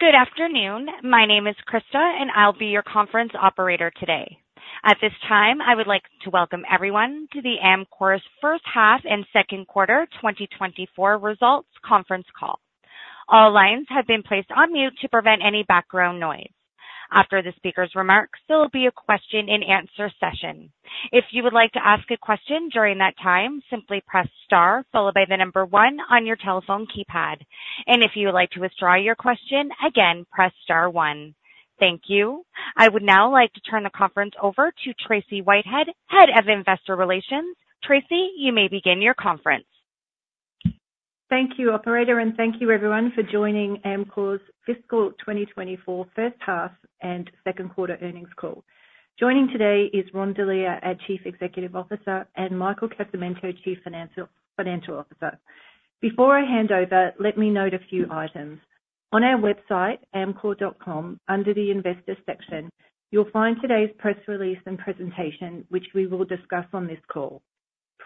Good afternoon. My name is Krista, and I'll be your Conference Operator today. At this time, I would like to welcome everyone to Amcor's first half and second quarter 2024 results conference call. All lines have been placed on mute to prevent any background noise. After the speaker's remarks, there will be a question-and-answer session. If you would like to ask a question during that time, simply press star followed by the number one on your telephone keypad. And if you would like to withdraw your question, again, press star one. Thank you. I would now like to turn the conference over to Tracey Whitehead, Head of Investor Relations. Tracey, you may begin your conference. Thank you, Operator, and thank you everyone for joining Amcor's fiscal 2024 first half and second quarter earnings call. Joining today is Ron Delia, our Chief Executive Officer, and Michael Casamento, Chief Financial Officer. Before I hand over, let me note a few items. On our website, amcor.com, under the Investor section, you'll find today's press release and presentation, which we will discuss on this call.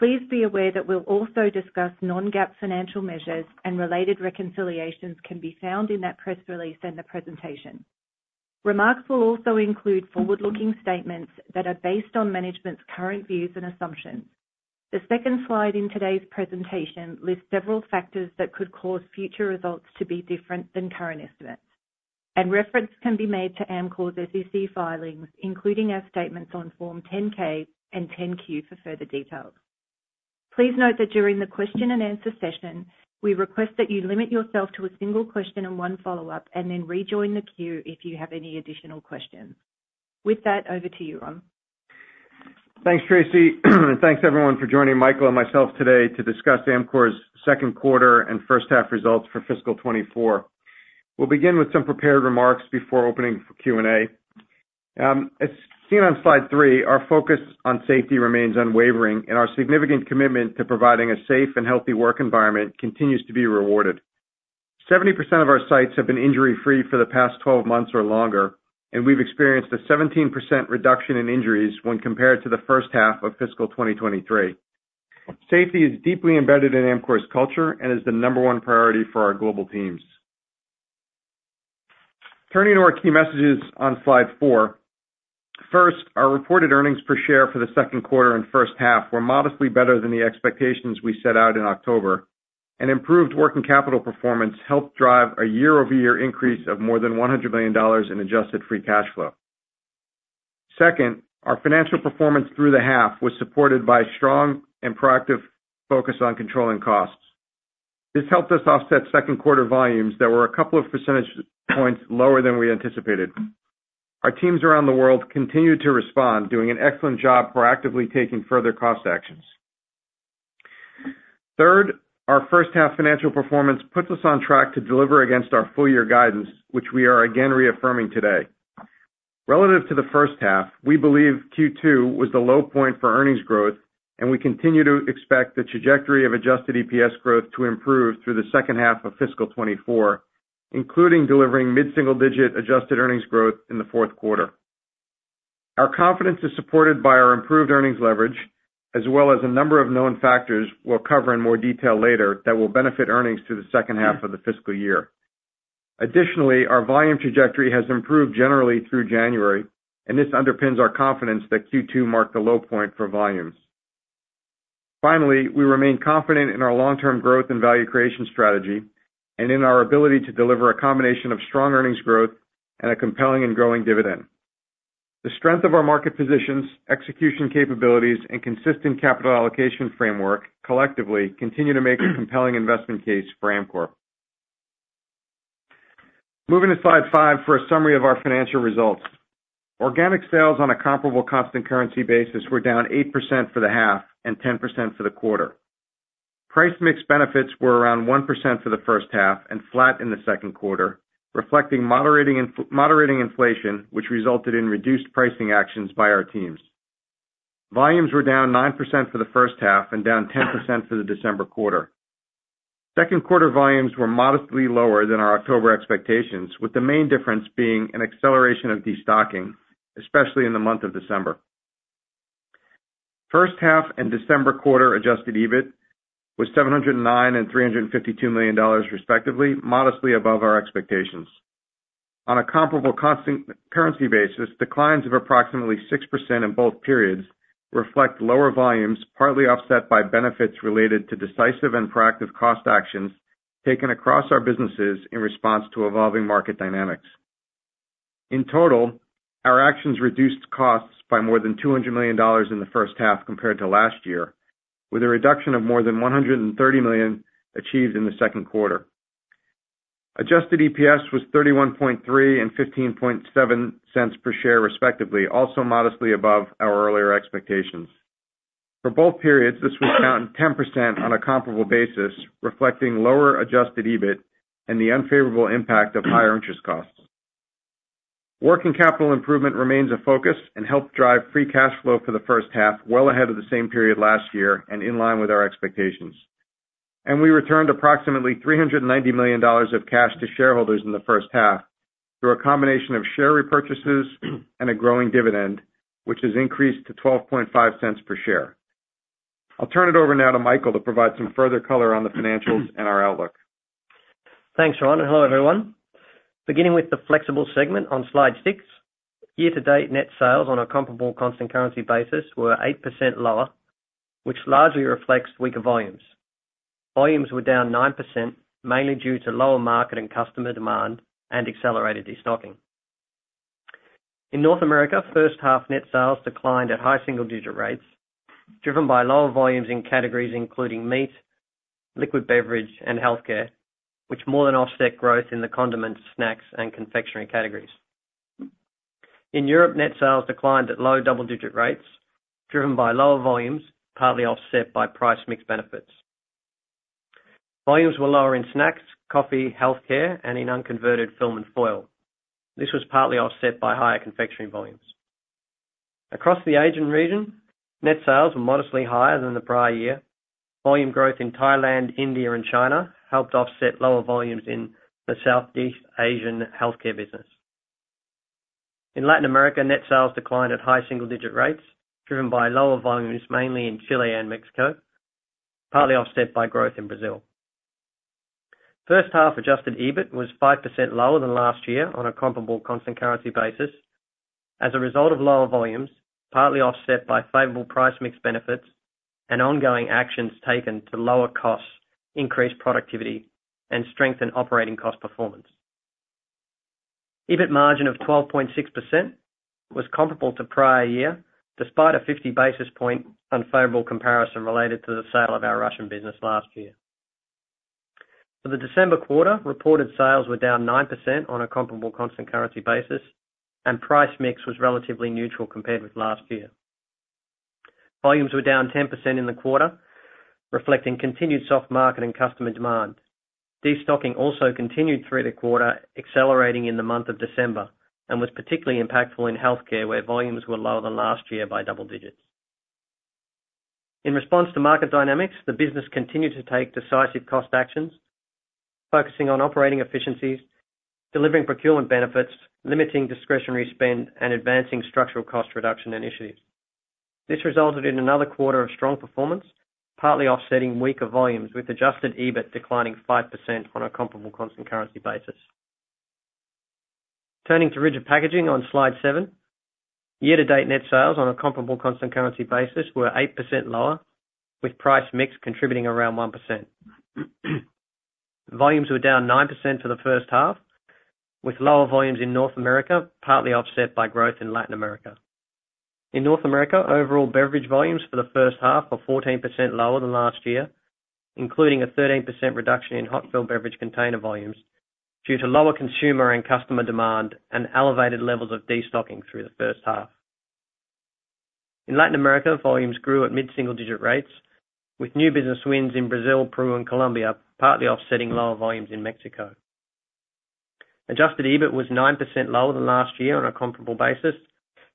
Please be aware that we'll also discuss non-GAAP financial measures, and related reconciliations can be found in that press release and the presentation. Remarks will also include forward-looking statements that are based on management's current views and assumptions. The second slide in today's presentation lists several factors that could cause future results to be different than current estimates, and reference can be made to Amcor's SEC filings, including our statements on Form 10-K and 10-Q for further details. Please note that during the question-and-answer session, we request that you limit yourself to a single question and one follow-up, and then rejoin the queue if you have any additional questions. With that, over to you, Ron. Thanks, Tracey, and thanks everyone for joining Michael and myself today to discuss Amcor's second quarter and first half results for fiscal 2024. We'll begin with some prepared remarks before opening for Q&A. As seen on slide three, our focus on safety remains unwavering, and our significant commitment to providing a safe and healthy work environment continues to be rewarded. 70% of our sites have been injury-free for the past 12 months or longer, and we've experienced a 17% reduction in injuries when compared to the first half of fiscal 2023. Safety is deeply embedded in Amcor's culture and is the number one priority for our global teams. Turning to our key messages on slide four. First, our reported earnings per share for the second quarter and first half were modestly better than the expectations we set out in October. An improved working capital performance helped drive a year-over-year increase of more than $100 million in adjusted free cash flow. Second, our financial performance through the half was supported by strong and proactive focus on controlling costs. This helped us offset second quarter volumes that were a couple of percentage points lower than we anticipated. Our teams around the world continued to respond, doing an excellent job proactively taking further cost actions. Third, our first half financial performance puts us on track to deliver against our full-year guidance, which we are again reaffirming today. Relative to the first half, we believe Q2 was the low point for earnings growth, and we continue to expect the trajectory of adjusted EPS growth to improve through the second half of fiscal 2024, including delivering mid-single-digit adjusted earnings growth in the fourth quarter. Our confidence is supported by our improved earnings leverage, as well as a number of known factors we'll cover in more detail later that will benefit earnings through the second half of the fiscal year. Additionally, our volume trajectory has improved generally through January, and this underpins our confidence that Q2 marked the low point for volumes. Finally, we remain confident in our long-term growth and value creation strategy, and in our ability to deliver a combination of strong earnings growth and a compelling and growing dividend. The strength of our market positions, execution capabilities, and consistent capital allocation framework collectively continue to make a compelling investment case for Amcor. Moving to slide five for a summary of our financial results. Organic sales on a comparable constant currency basis were down 8% for the half and 10% for the quarter. Price/mix benefits were around 1% for the first half and flat in the second quarter, reflecting moderating inflation, which resulted in reduced pricing actions by our teams. Volumes were down 9% for the first half and down 10% for the December quarter. Second quarter volumes were modestly lower than our October expectations, with the main difference being an acceleration of destocking, especially in the month of December. First half and December quarter adjusted EBIT was $709 million and $352 million, respectively, modestly above our expectations. On a comparable constant currency basis, declines of approximately 6% in both periods reflect lower volumes, partly offset by benefits related to decisive and proactive cost actions taken across our businesses in response to evolving market dynamics. In total, our actions reduced costs by more than $200 million in the first half compared to last year, with a reduction of more than $130 million achieved in the second quarter. Adjusted EPS was $0.313 and $0.157 per share, respectively, also modestly above our earlier expectations. For both periods, this was down 10% on a comparable basis, reflecting lower adjusted EBIT and the unfavorable impact of higher interest costs. Working capital improvement remains a focus and helped drive free cash flow for the first half, well ahead of the same period last year and in line with our expectations. We returned approximately $390 million of cash to shareholders in the first half through a combination of share repurchases and a growing dividend, which has increased to $0.125 per share. I'll turn it over now to Michael to provide some further color on the financials and our outlook. Thanks, Ron, and hello, everyone. Beginning with the Flexibles segment on slide six, year-to-date net sales on a comparable constant currency basis were 8% lower, which largely reflects weaker volumes. Volumes were down 9%, mainly due to lower market and customer demand and accelerated destocking. In North America, first half net sales declined at high single-digit rates, driven by lower volumes in categories including meat, liquid beverage, and healthcare, which more than offset growth in the condiments, snacks, and confectionery categories. In Europe, net sales declined at low double-digit rates, driven by lower volumes, partly offset by price/mix benefits. Volumes were lower in snacks, coffee, healthcare, and in unconverted film and foil. This was partly offset by higher confectionery volumes. Across the Asian region, net sales were modestly higher than the prior year. Volume growth in Thailand, India, and China helped offset lower volumes in the Southeast Asian healthcare business. In Latin America, net sales declined at high single-digit rates, driven by lower volumes, mainly in Chile and Mexico, partly offset by growth in Brazil. First half adjusted EBIT was 5% lower than last year on a comparable constant currency basis as a result of lower volumes, partly offset by favorable price/mix benefits and ongoing actions taken to lower costs, increase productivity, and strengthen operating cost performance. EBIT margin of 12.6% was comparable to prior year, despite a 50 basis point unfavorable comparison related to the sale of our Russian business last year. For the December quarter, reported sales were down 9% on a comparable constant currency basis, and price/mix was relatively neutral compared with last year. Volumes were down 10% in the quarter, reflecting continued soft market and customer demand. Destocking also continued through the quarter, accelerating in the month of December, and was particularly impactful in healthcare, where volumes were lower than last year by double digits. In response to market dynamics, the business continued to take decisive cost actions, focusing on operating efficiencies, delivering procurement benefits, limiting discretionary spend, and advancing structural cost reduction initiatives. This resulted in another quarter of strong performance, partly offsetting weaker volumes, with adjusted EBIT declining 5% on a comparable constant currency basis. Turning to Rigid Packaging on slide seven, year-to-date net sales on a comparable constant currency basis were 8% lower, with price/mix contributing around 1%. Volumes were down 9% for the first half, with lower volumes in North America, partly offset by growth in Latin America. In North America, overall beverage volumes for the first half were 14% lower than last year, including a 13% reduction in hot fill beverage container volumes, due to lower consumer and customer demand and elevated levels of destocking through the first half. In Latin America, volumes grew at mid-single-digit rates, with new business wins in Brazil, Peru, and Colombia, partly offsetting lower volumes in Mexico. Adjusted EBIT was 9% lower than last year on a comparable basis,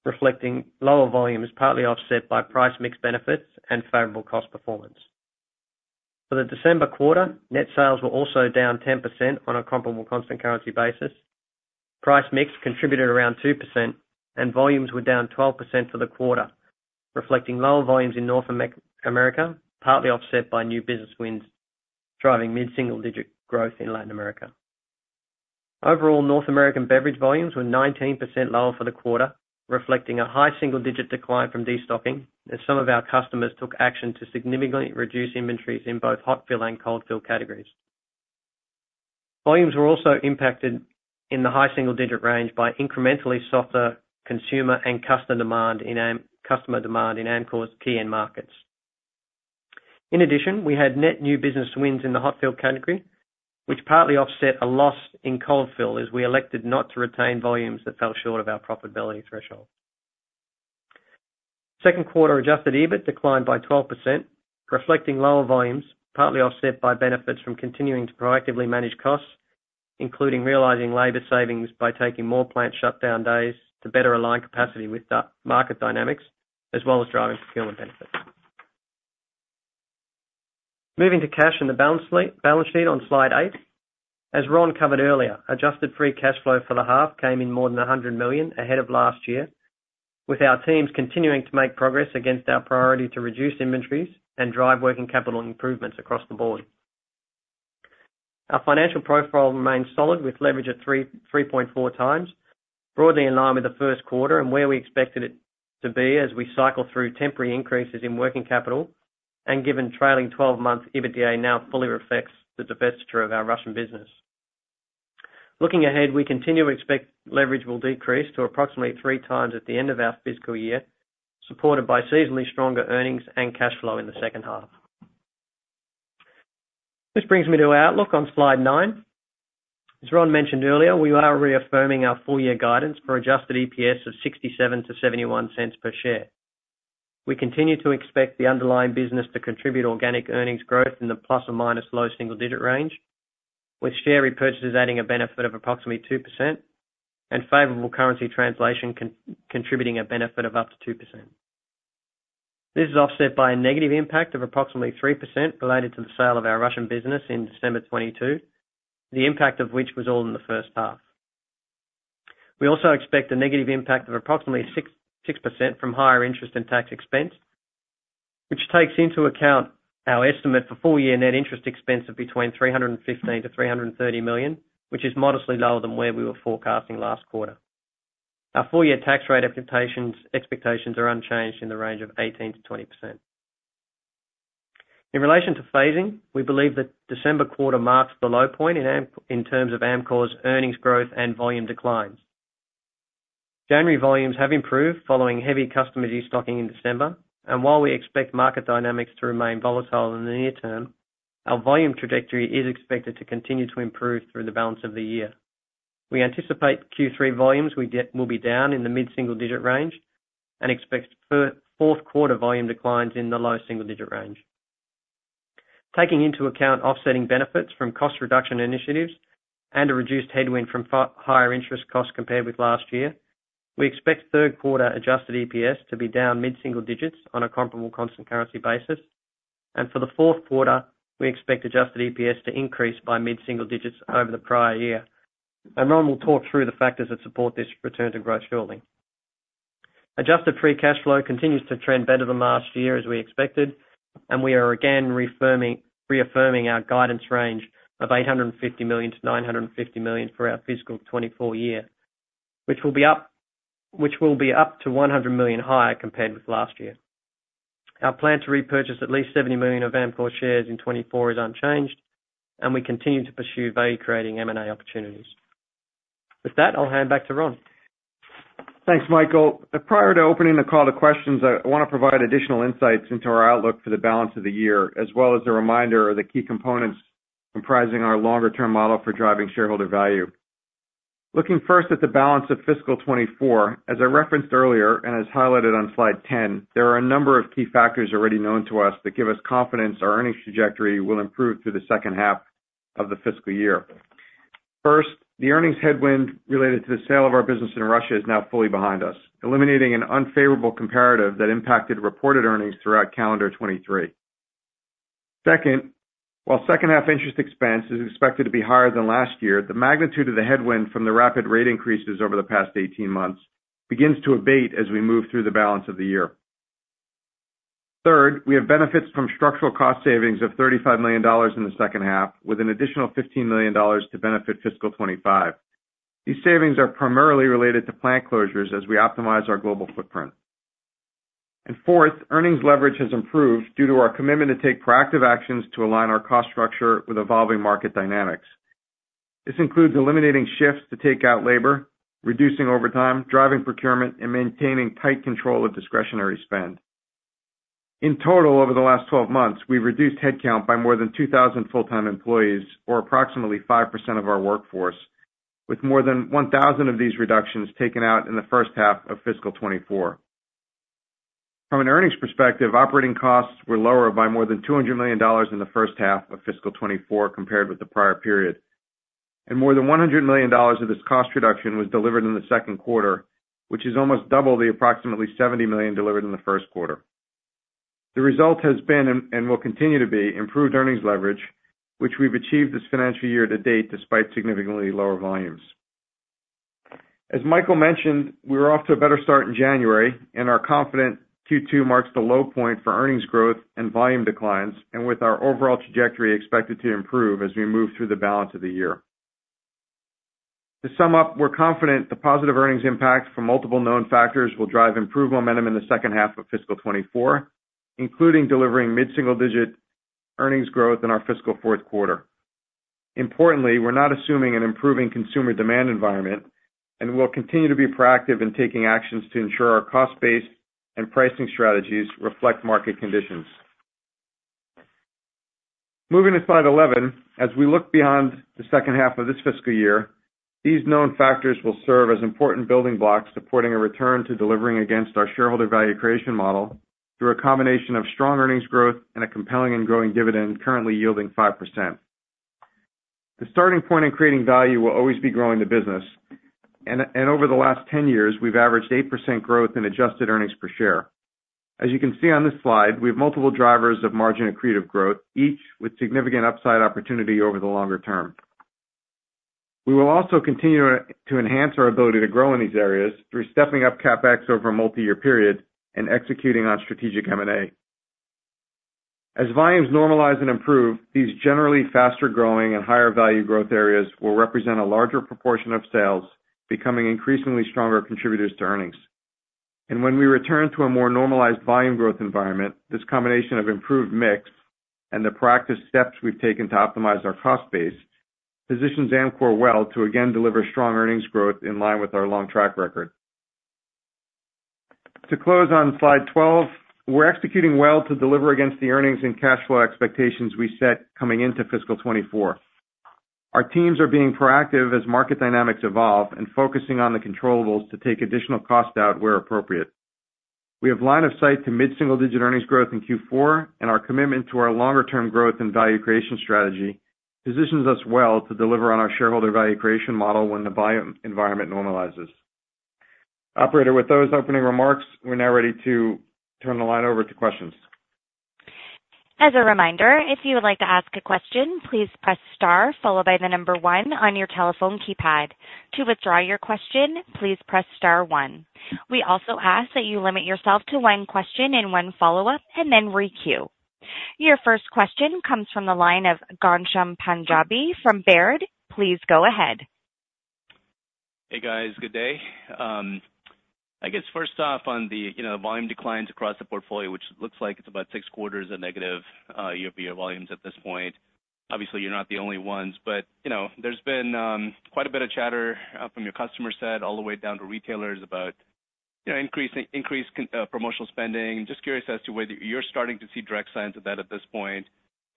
reflecting lower volumes, partly offset by price/mix benefits and favorable cost performance. For the December quarter, net sales were also down 10% on a comparable constant currency basis. Price/mix contributed around 2%, and volumes were down 12% for the quarter, reflecting lower volumes in North America, partly offset by new business wins, driving mid-single-digit growth in Latin America. Overall, North American beverage volumes were 19% lower for the quarter, reflecting a high single-digit decline from destocking, as some of our customers took action to significantly reduce inventories in both hot fill and cold fill categories. Volumes were also impacted in the high single-digit range by incrementally softer consumer and customer demand in Amcor's key end markets. In addition, we had net new business wins in the hot fill category, which partly offset a loss in cold fill, as we elected not to retain volumes that fell short of our profitability threshold. Second quarter adjusted EBIT declined by 12%, reflecting lower volumes, partly offset by benefits from continuing to proactively manage costs, including realizing labor savings by taking more plant shutdown days to better align capacity with the market dynamics, as well as driving procurement benefits. Moving to cash and the balance sheet on slide eight. As Ron covered earlier, adjusted free cash flow for the half came in more than $100 million, ahead of last year, with our teams continuing to make progress against our priority to reduce inventories and drive working capital improvements across the board. Our financial profile remains solid, with leverage at three, 3.4x, broadly in line with the first quarter and where we expected it to be as we cycle through temporary increases in working capital and given trailing 12-month EBITDA now fully reflects the divestiture of our Russian business. Looking ahead, we continue to expect leverage will decrease to approximately 3x at the end of our fiscal year, supported by seasonally stronger earnings and cash flow in the second half. This brings me to outlook on slide nine. As Ron mentioned earlier, we are reaffirming our full-year guidance for adjusted EPS of $0.67-$0.71 per share. We continue to expect the underlying business to contribute organic earnings growth in the plus-minus low single-digit range, with share repurchases adding a benefit of approximately 2% and favorable currency translation contributing a benefit of up to 2%. This is offset by a negative impact of approximately 3% related to the sale of our Russian business in December 2022, the impact of which was all in the first half. We also expect a negative impact of approximately 6% from higher interest and tax expense, which takes into account our estimate for full-year net interest expense of between $315 million and $330 million, which is modestly lower than where we were forecasting last quarter. Our full-year tax rate expectations, expectations are unchanged in the range of 18%-20%. In relation to phasing, we believe the December quarter marks the low point in terms of Amcor's earnings growth and volume declines. January volumes have improved following heavy customer destocking in December, and while we expect market dynamics to remain volatile in the near term, our volume trajectory is expected to continue to improve through the balance of the year. We anticipate Q3 volumes will be down in the mid-single digit range and expect fourth quarter volume declines in the low single-digit range. Taking into account offsetting benefits from cost reduction initiatives and a reduced headwind from higher interest costs compared with last year, we expect third quarter adjusted EPS to be down mid-single digits on a comparable constant currency basis, and for the fourth quarter, we expect adjusted EPS to increase by mid-single digits over the prior year. And Ron will talk through the factors that support this return to growth building. Adjusted free cash flow continues to trend better than last year, as we expected, and we are again reaffirming, reaffirming our guidance range of $850 million-$950 million for our fiscal 2024 year, which will be up, which will be up $100 million higher compared with last year. Our plan to repurchase at least $70 million of Amcor shares in 2024 is unchanged, and we continue to pursue value-creating M&A opportunities. With that, I'll hand back to Ron. Thanks, Michael. Prior to opening the call to questions, I want to provide additional insights into our outlook for the balance of the year, as well as a reminder of the key components comprising our longer-term model for driving shareholder value. Looking first at the balance of fiscal 2024, as I referenced earlier, and as highlighted on slide 10, there are a number of key factors already known to us that give us confidence our earnings trajectory will improve through the second half of the fiscal year. First, the earnings headwind related to the sale of our business in Russia is now fully behind us, eliminating an unfavorable comparative that impacted reported earnings throughout calendar 2023. Second, while second half interest expense is expected to be higher than last year, the magnitude of the headwind from the rapid rate increases over the past 18 months begins to abate as we move through the balance of the year. Third, we have benefits from structural cost savings of $35 million in the second half, with an additional $15 million to benefit fiscal 2025. These savings are primarily related to plant closures as we optimize our global footprint. And fourth, earnings leverage has improved due to our commitment to take proactive actions to align our cost structure with evolving market dynamics. This includes eliminating shifts to take out labor, reducing overtime, driving procurement, and maintaining tight control of discretionary spend. In total, over the last 12 months, we've reduced headcount by more than 2,000 full-time employees, or approximately 5% of our workforce, with more than 1,000 of these reductions taken out in the first half of fiscal 2024. From an earnings perspective, operating costs were lower by more than $200 million in the first half of fiscal 2024 compared with the prior period, and more than $100 million of this cost reduction was delivered in the second quarter, which is almost double the approximately $70 million delivered in the first quarter. The result has been and will continue to be improved earnings leverage, which we've achieved this financial year to date, despite significantly lower volumes. As Michael mentioned, we're off to a better start in January, and are confident Q2 marks the low point for earnings growth and volume declines, and with our overall trajectory expected to improve as we move through the balance of the year. To sum up, we're confident the positive earnings impact from multiple known factors will drive improved momentum in the second half of fiscal 2024, including delivering mid-single-digit earnings growth in our fiscal fourth quarter. Importantly, we're not assuming an improving consumer demand environment, and we'll continue to be proactive in taking actions to ensure our cost base and pricing strategies reflect market conditions. Moving to slide 11, as we look beyond the second half of this fiscal year, these known factors will serve as important building blocks, supporting a return to delivering against our shareholder value creation model through a combination of strong earnings growth and a compelling and growing dividend, currently yielding 5%. The starting point in creating value will always be growing the business, and over the last 10 years, we've averaged 8% growth in adjusted earnings per share. As you can see on this slide, we have multiple drivers of margin accretive growth, each with significant upside opportunity over the longer term. We will also continue to enhance our ability to grow in these areas through stepping up CapEx over a multi-year period and executing on strategic M&A. As volumes normalize and improve, these generally faster-growing and higher value growth areas will represent a larger proportion of sales, becoming increasingly stronger contributors to earnings. When we return to a more normalized volume growth environment, this combination of improved mix and the practice steps we've taken to optimize our cost base, positions Amcor well to again, deliver strong earnings growth in line with our long track record. To close on slide 12, we're executing well to deliver against the earnings and cash flow expectations we set coming into fiscal 2024. Our teams are being proactive as market dynamics evolve and focusing on the controllables to take additional cost out where appropriate. We have line of sight to mid-single-digit earnings growth in Q4, and our commitment to our longer-term growth and value creation strategy positions us well to deliver on our shareholder value creation model when the volume environment normalizes. Operator, with those opening remarks, we're now ready to turn the line over to questions. As a reminder, if you would like to ask a question, please press star followed by the number one on your telephone keypad. To withdraw your question, please press star one. We also ask that you limit yourself to one question and one follow-up, and then re-queue. Your first question comes from the line of Ghansham Panjabi from Baird. Please go ahead. Hey, guys. Good day. I guess first off, on the, you know, volume declines across the portfolio, which looks like it's about six quarters of negative year-over-year volumes at this point. Obviously, you're not the only ones, but, you know, there's been quite a bit of chatter from your customer side all the way down to retailers about, you know, increased promotional spending. Just curious as to whether you're starting to see direct signs of that at this point,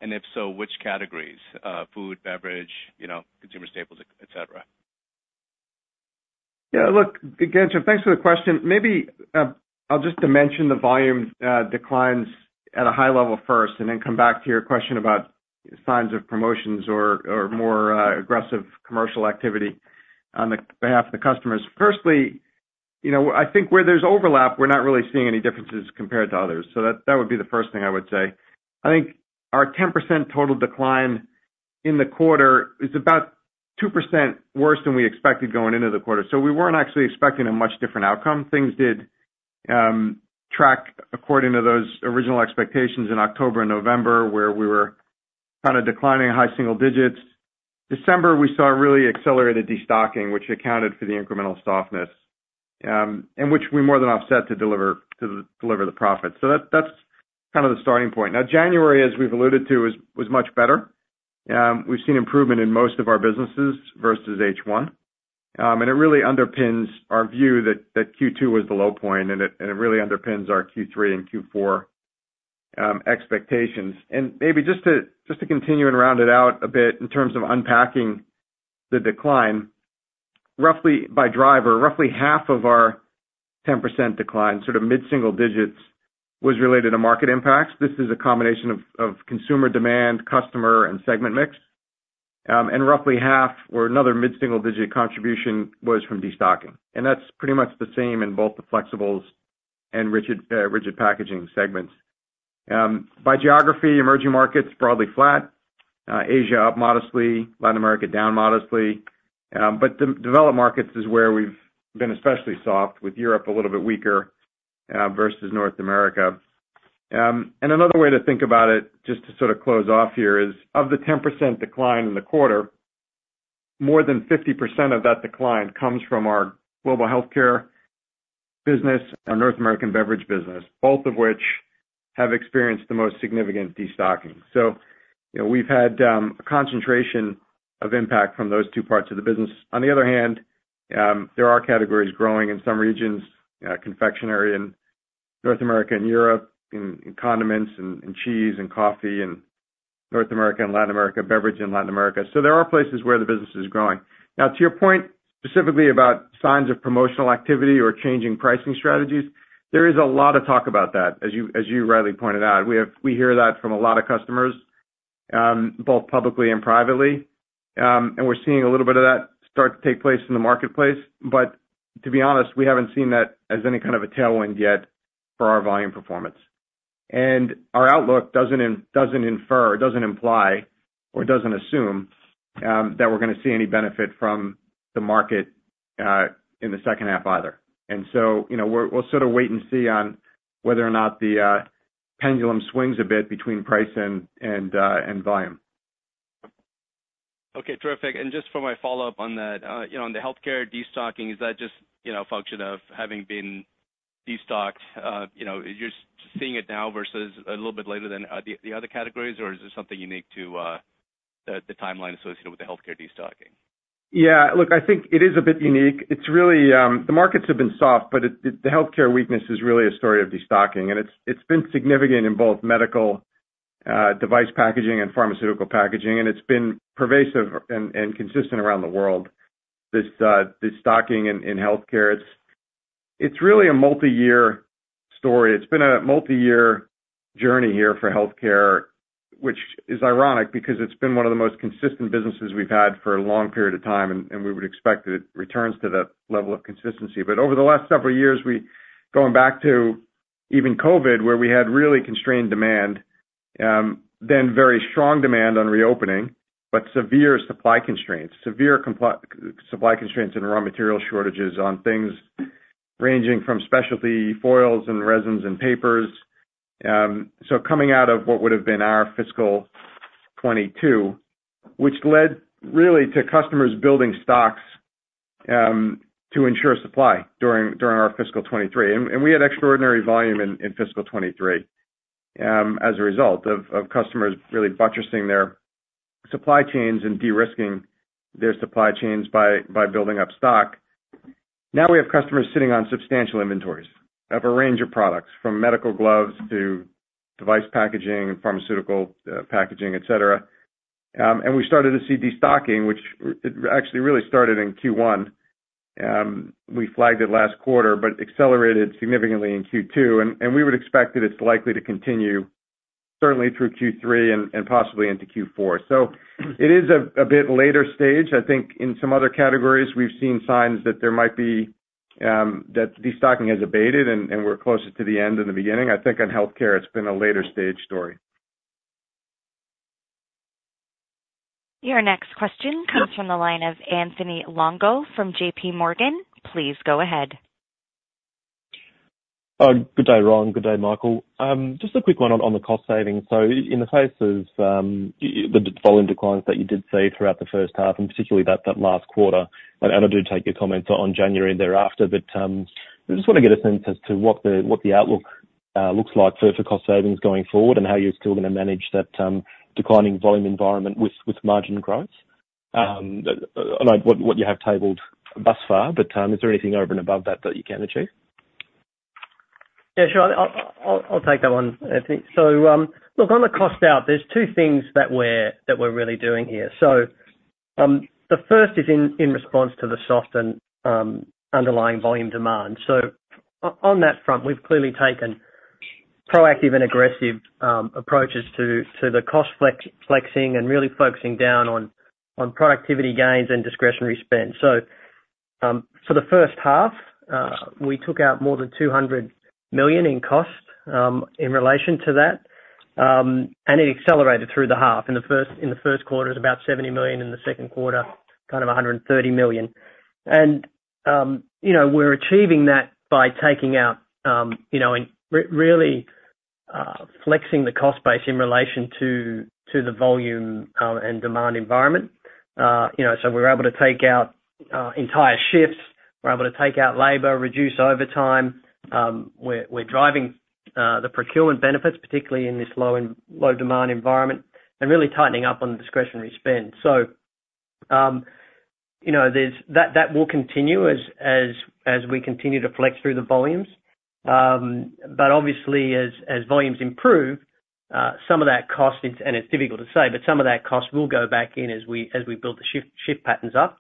and if so, which categories, food, beverage, you know, consumer staples, et cetera? Yeah, look, Ghansham, thanks for the question. Maybe, I'll just dimension the volume declines at a high level first, and then come back to your question about signs of promotions or, or more, aggressive commercial activity on behalf of the customers. Firstly, you know, I think where there's overlap, we're not really seeing any differences compared to others. So that, that would be the first thing I would say. I think our 10% total decline in the quarter is about 2% worse than we expected going into the quarter. So we weren't actually expecting a much different outcome. Things did, track according to those original expectations in October and November, where we were kind of declining high single-digits. December, we saw a really accelerated destocking, which accounted for the incremental softness, and which we more than offset to deliver the profits. So that's kind of the starting point. Now, January, as we've alluded to, was much better. We've seen improvement in most of our businesses versus H1. And it really underpins our view that Q2 was the low point, and it really underpins our Q3 and Q4 expectations. And maybe just to continue and round it out a bit in terms of unpacking the decline, roughly by driver, roughly half of our 10% decline, sort of mid-single digits, was related to market impacts. This is a combination of consumer demand, customer and segment mix. And roughly half or another mid-single-digit contribution was from destocking, and that's pretty much the same in both the Flexibles and Rigid Packaging segments. By geography, emerging markets, broadly flat, Asia, up modestly, Latin America, down modestly. But developed markets is where we've been especially soft, with Europe a little bit weaker versus North America. And another way to think about it, just to sort of close off here, is of the 10% decline in the quarter, more than 50% of that decline comes from our global healthcare business and North American beverage business, both of which have experienced the most significant destocking. So, you know, we've had a concentration of impact from those two parts of the business. On the other hand, there are categories growing in some regions, confectionery in North America and Europe, condiments and cheese and coffee in North America and Latin America, beverage in Latin America. So there are places where the business is growing. Now, to your point, specifically about signs of promotional activity or changing pricing strategies, there is a lot of talk about that, as you rightly pointed out. We hear that from a lot of customers, both publicly and privately. And we're seeing a little bit of that start to take place in the marketplace. But to be honest, we haven't seen that as any kind of a tailwind yet for our volume performance. Our outlook doesn't imply or doesn't assume that we're gonna see any benefit from the market in the second half either. So, you know, we'll sort of wait and see on whether or not the pendulum swings a bit between price and volume. Okay, terrific. And just for my follow-up on that, you know, on the healthcare destocking, is that just, you know, a function of having been destocked? You know, you're just seeing it now versus a little bit later than the other categories, or is this something unique to the timeline associated with the healthcare destocking? Yeah. Look, I think it is a bit unique. It's really. The markets have been soft, but the healthcare weakness is really a story of destocking, and it's been significant in both medical device packaging and pharmaceutical packaging, and it's been pervasive and consistent around the world. This destocking in healthcare, it's really a multi-year story. It's been a multi-year journey here for healthcare, which is ironic because it's been one of the most consistent businesses we've had for a long period of time, and we would expect that it returns to that level of consistency. But over the last several years, we going back to even COVID, where we had really constrained demand, then very strong demand on reopening, but severe supply constraints and raw material shortages on things ranging from specialty foils and resins and papers. So coming out of what would have been our fiscal 2022, which led really to customers building stocks to ensure supply during our fiscal 2023. And we had extraordinary volume in fiscal 2023 as a result of customers really buttressing their supply chains and de-risking their supply chains by building up stock. Now, we have customers sitting on substantial inventories of a range of products, from medical gloves to device packaging, pharmaceutical packaging, et cetera. And we started to see destocking, which it actually really started in Q1. We flagged it last quarter, but accelerated significantly in Q2, and we would expect that it's likely to continue certainly through Q3 and possibly into Q4. So it is a bit later stage. I think in some other categories, we've seen signs that destocking has abated, and we're closer to the end than the beginning. I think on healthcare, it's been a later stage story. Your next question comes from the line of Anthony Longo from JPMorgan. Please go ahead. Good day, Ron. Good day, Michael. Just a quick one on the cost savings. So in the face of the volume declines that you did see throughout the first half, and particularly that last quarter, and I do take your comments on January and thereafter, but I just wanna get a sense as to what the outlook looks like for cost savings going forward and how you're still gonna manage that declining volume environment with margin growth. I know what you have tabled thus far, but is there anything over and above that that you can achieve? Yeah, sure. I'll take that one, Anthony. So, look, on the cost out, there's two things that we're really doing here. So, the first is in response to the soft and underlying volume demand. So on that front, we've clearly taken proactive and aggressive approaches to the cost flexing and really focusing down on productivity gains and discretionary spend. So, for the first half, we took out more than $200 million in costs in relation to that. And it accelerated through the half. In the first quarter, it was about $70 million, in the second quarter, kind of $130 million. You know, we're achieving that by taking out, you know, and really flexing the cost base in relation to the volume and demand environment. You know, so we're able to take out entire shifts. We're able to take out labor, reduce overtime. We're driving the procurement benefits, particularly in this low demand environment, and really tightening up on the discretionary spend. So, you know, there's... That will continue as we continue to flex through the volumes. But obviously, as volumes improve, some of that cost, and it's difficult to say, but some of that cost will go back in as we build the shift patterns up.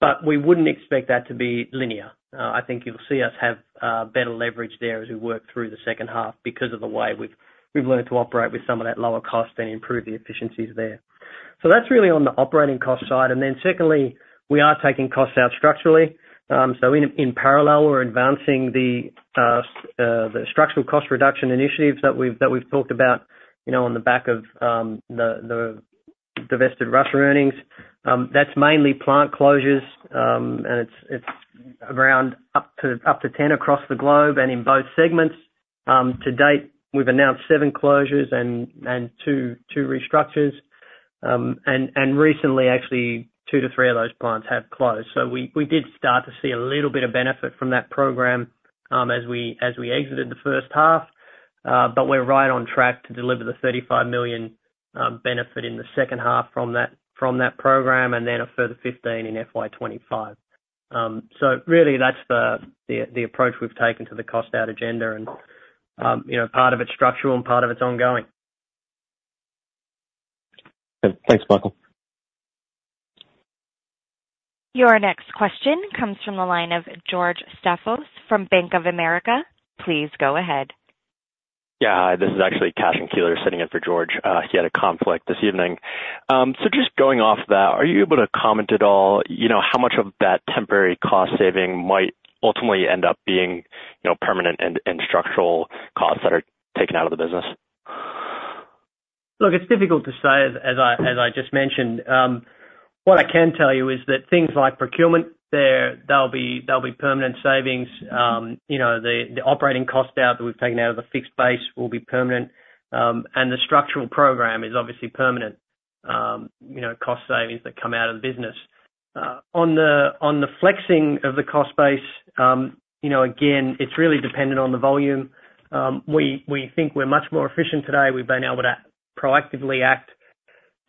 But we wouldn't expect that to be linear. I think you'll see us have better leverage there as we work through the second half because of the way we've learned to operate with some of that lower cost and improve the efficiencies there. So that's really on the operating cost side. And then secondly, we are taking costs out structurally. So in parallel, we're advancing the structural cost reduction initiatives that we've talked about, you know, on the back of the divested Russia earnings. That's mainly plant closures, and it's around up to 10 across the globe and in both segments. To date, we've announced seven closures and two restructures. And recently, actually, two to three of those plants have closed. We did start to see a little bit of benefit from that program, as we exited the first half. But we're right on track to deliver the $35 million benefit in the second half from that program, and then a further $15 million in FY 2025. So really, that's the approach we've taken to the cost-out agenda, and, you know, part of it's structural and part of it's ongoing. Good. Thanks, Michael. Your next question comes from the line of George Staphos from Bank of America. Please go ahead. Yeah, hi, this is actually Cashen Keeler sitting in for George. He had a conflict this evening. So just going off that, are you able to comment at all, you know, how much of that temporary cost saving might ultimately end up being, you know, permanent and, and structural costs that are taken out of the business? Look, it's difficult to say, as I just mentioned. What I can tell you is that things like procurement there, they'll be permanent savings. You know, the operating cost out that we've taken out of the fixed base will be permanent. The structural program is obviously permanent, you know, cost savings that come out of the business. On the flexing of the cost base, you know, again, it's really dependent on the volume. We think we're much more efficient today. We've been able to proactively act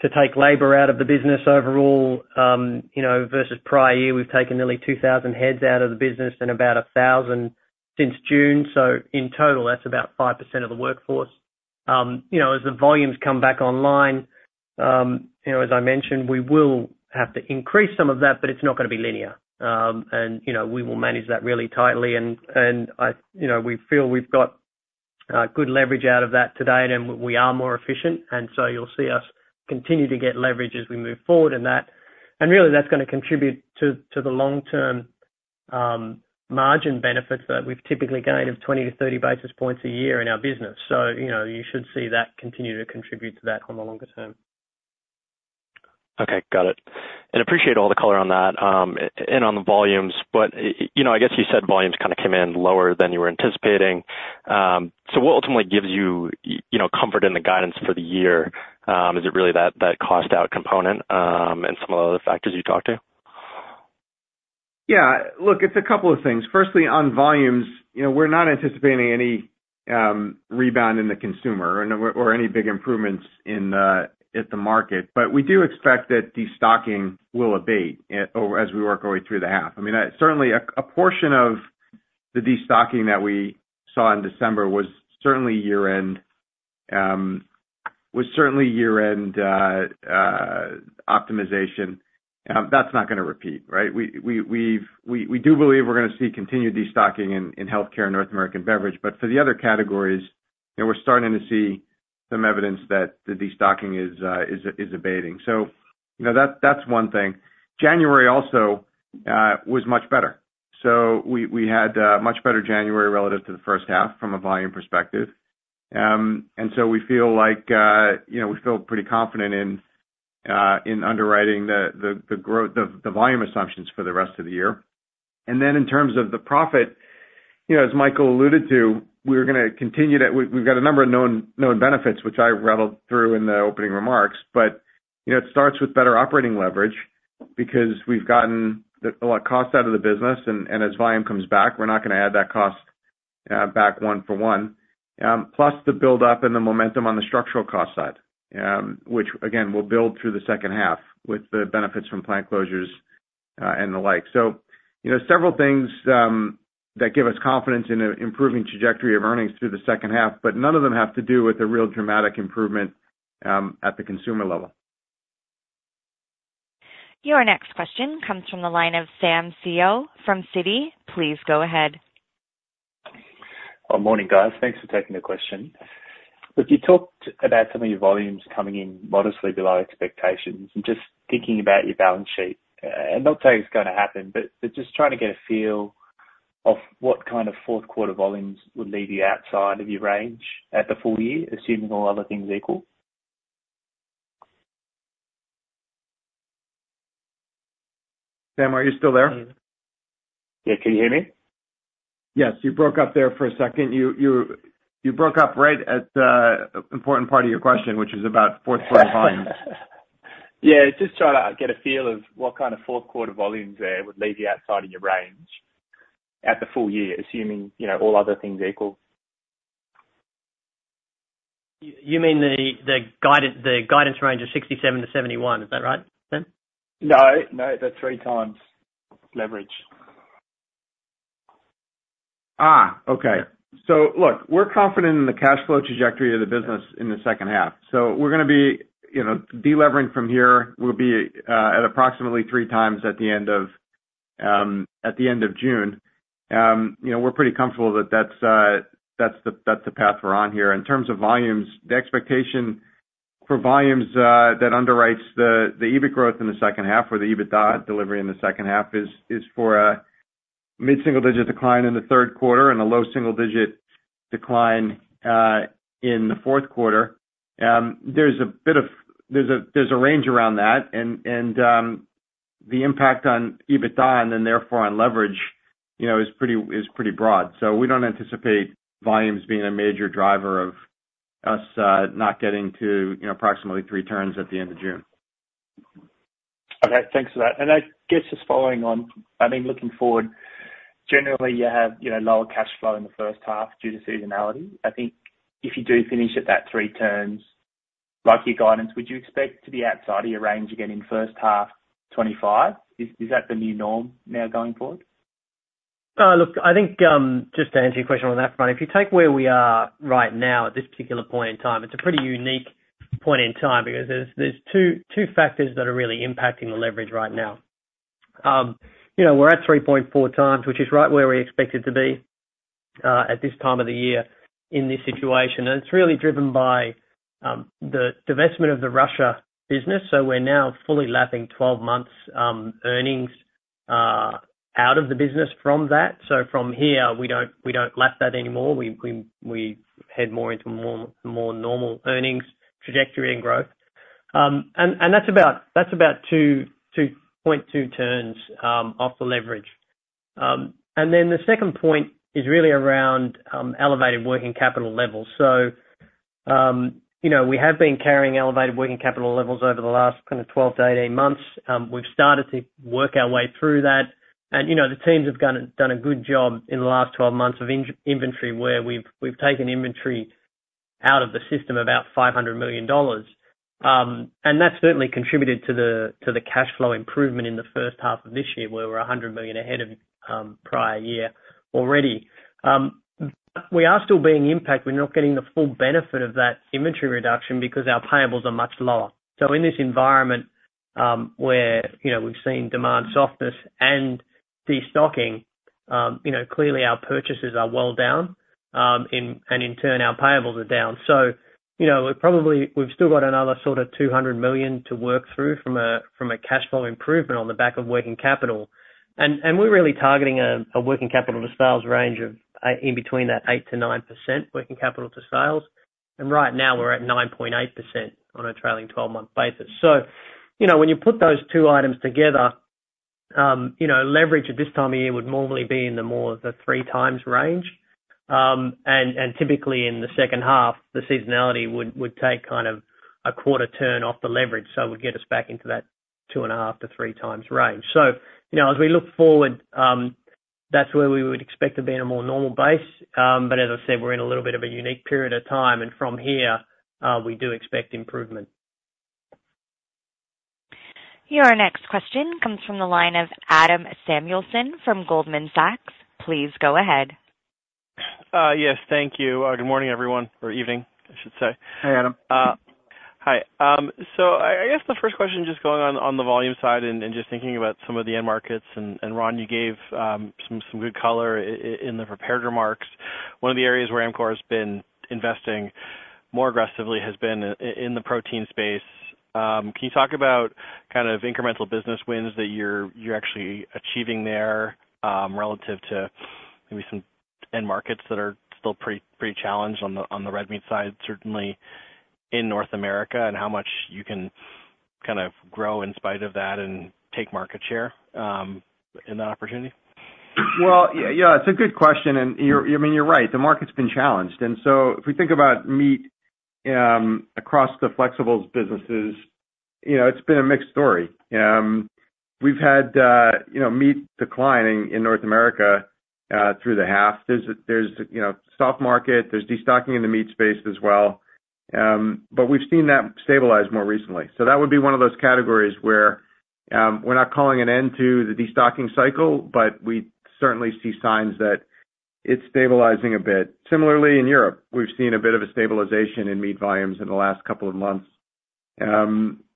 to take labor out of the business overall. You know, versus prior year, we've taken nearly 2,000 heads out of the business and about 1,000 since June. So in total, that's about 5% of the workforce. You know, as the volumes come back online, you know, as I mentioned, we will have to increase some of that, but it's not gonna be linear. And, you know, we will manage that really tightly, and I... You know, we feel we've got good leverage out of that today, and we are more efficient, and so you'll see us continue to get leverage as we move forward, and that. And really, that's gonna contribute to the long-term margin benefits that we've typically gained of 20, 30 basis points a year in our business. So, you know, you should see that continue to contribute to that on the longer term. Okay, got it. And appreciate all the color on that, and on the volumes. But you know, I guess you said volumes kind of came in lower than you were anticipating. So what ultimately gives you, you know, comfort in the guidance for the year? Is it really that, that cost-out component, and some of the other factors you talked to? Yeah. Look, it's a couple of things. Firstly, on volumes, you know, we're not anticipating any rebound in the consumer and/or or any big improvements in at the market, but we do expect that destocking will abate as we work our way through the half. I mean, certainly a portion of the destocking that we saw in December was certainly year-end, was certainly year-end optimization. That's not gonna repeat, right? We do believe we're gonna see continued destocking in healthcare and North American beverage, but for the other categories. And we're starting to see some evidence that the destocking is abating. So, you know, that's one thing. January also was much better. So we had a much better January relative to the first half from a volume perspective. And so we feel like, you know, we feel pretty confident in underwriting the growth, the volume assumptions for the rest of the year. And then in terms of the profit, you know, as Michael alluded to, we're gonna continue to—we've got a number of known benefits, which I rattled through in the opening remarks. But, you know, it starts with better operating leverage because we've gotten a lot of cost out of the business, and as volume comes back, we're not gonna add that cost back one for one. Plus the buildup and the momentum on the structural cost side, which again, will build through the second half with the benefits from plant closures and the like. So, you know, several things that give us confidence in an improving trajectory of earnings through the second half, but none of them have to do with a real dramatic improvement at the consumer level. Your next question comes from the line of Sam Seow from Citi. Please go ahead. Well, morning, guys. Thanks for taking the question. Look, you talked about some of your volumes coming in modestly below expectations, and just thinking about your balance sheet, and not saying it's gonna happen, but, but just trying to get a feel of what kind of fourth quarter volumes would leave you outside of your range at the full year, assuming all other things equal? Sam, are you still there? Yeah. Can you hear me? Yes, you broke up there for a second. You broke up right at the important part of your question, which is about fourth quarter volumes. Yeah, just trying to get a feel of what kind of fourth quarter volumes there would leave you outside of your range at the full year, assuming, you know, all other things equal? You mean the guidance range of 67-71. Is that right, Sam? No, no, the 3x leverage. Ah, okay. So look, we're confident in the cash flow trajectory of the business in the second half. So we're gonna be, you know, delevering from here, we'll be at approximately 3x at the end of, at the end of June. You know, we're pretty comfortable that that's, that's the, that's the path we're on here. In terms of volumes, the expectation for volumes that underwrites the, the EBIT growth in the second half or the EBITDA delivery in the second half is, is for a mid-single digit decline in the third quarter and a low single-digit decline in the fourth quarter. There's a bit of... There's a, there's a range around that, and, and, the impact on EBITDA and then therefore on leverage, you know, is pretty, is pretty broad. So we don't anticipate volumes being a major driver of us, you know, approximately three turns at the end of June. Okay, thanks for that. I guess just following on, I mean, looking forward, generally, you have, you know, lower cash flow in the first half due to seasonality. I think if you do finish at that three turns, like your guidance, would you expect to be outside of your range again in first half 2025? Is that the new norm now going forward? Look, I think, just to answer your question on that front, if you take where we are right now at this particular point in time, it's a pretty unique point in time because there are two factors that are really impacting the leverage right now. You know, we're at 3.4x, which is right where we expected to be, at this time of the year in this situation. And it's really driven by the divestment of the Russia business. So we're now fully lapping 12 months earnings out of the business from that. So from here, we don't lap that anymore. We head more into more normal earnings trajectory and growth. And that's about 2.2 turns off the leverage. And then the second point is really around elevated working capital levels. So, you know, we have been carrying elevated working capital levels over the last kind of 12-18 months. We've started to work our way through that. And, you know, the teams have done a good job in the last 12 months in inventory, where we've taken inventory out of the system, about $500 million. And that's certainly contributed to the cash flow improvement in the first half of this year, where we're $100 million ahead of prior year already. We are still being impacted. We're not getting the full benefit of that inventory reduction because our payables are much lower. So in this environment, where, you know, we've seen demand softness and destocking, you know, clearly our purchases are well down, in turn, our payables are down. So, you know, we've still got another sort of $200 million to work through from a cash flow improvement on the back of working capital. And we're really targeting a working capital to sales range of in between that 8%-9% working capital to sales. And right now, we're at 9.8% on a trailing 12-month basis. So, you know, when you put those two items together, you know, leverage at this time of year would normally be in the more the 3x range. Typically in the second half, the seasonality would take kind of a quarter turn off the leverage, so it would get us back into that 2.5x-3x range. So, you know, as we look forward, that's where we would expect to be in a more normal base. But as I said, we're in a little bit of a unique period of time, and from here, we do expect improvement. Your next question comes from the line of Adam Samuelson from Goldman Sachs. Please go ahead. Yes, thank you. Good morning, everyone, or evening, I should say. Hey, Adam. Hi. So I guess the first question, just going on the volume side and just thinking about some of the end markets, and Ron, you gave some good color in the prepared remarks. One of the areas where Amcor has been investing more aggressively has been in the protein space. Can you talk about kind of incremental business wins that you're actually achieving there, relative to maybe some end markets that are still pretty challenged on the red meat side, certainly in North America, and how much you can kind of grow in spite of that and take market share in that opportunity? Well, yeah, yeah, it's a good question, and you're, I mean, you're right, the market's been challenged. And so if we think about meat across the Flexibles businesses, you know, it's been a mixed story. We've had, you know, meat declining in North America through the half. There's, you know, soft market, there's destocking in the meat space as well. But we've seen that stabilize more recently. So that would be one of those categories where we're not calling an end to the destocking cycle, but we certainly see signs that it's stabilizing a bit. Similarly, in Europe, we've seen a bit of a stabilization in meat volumes in the last couple of months.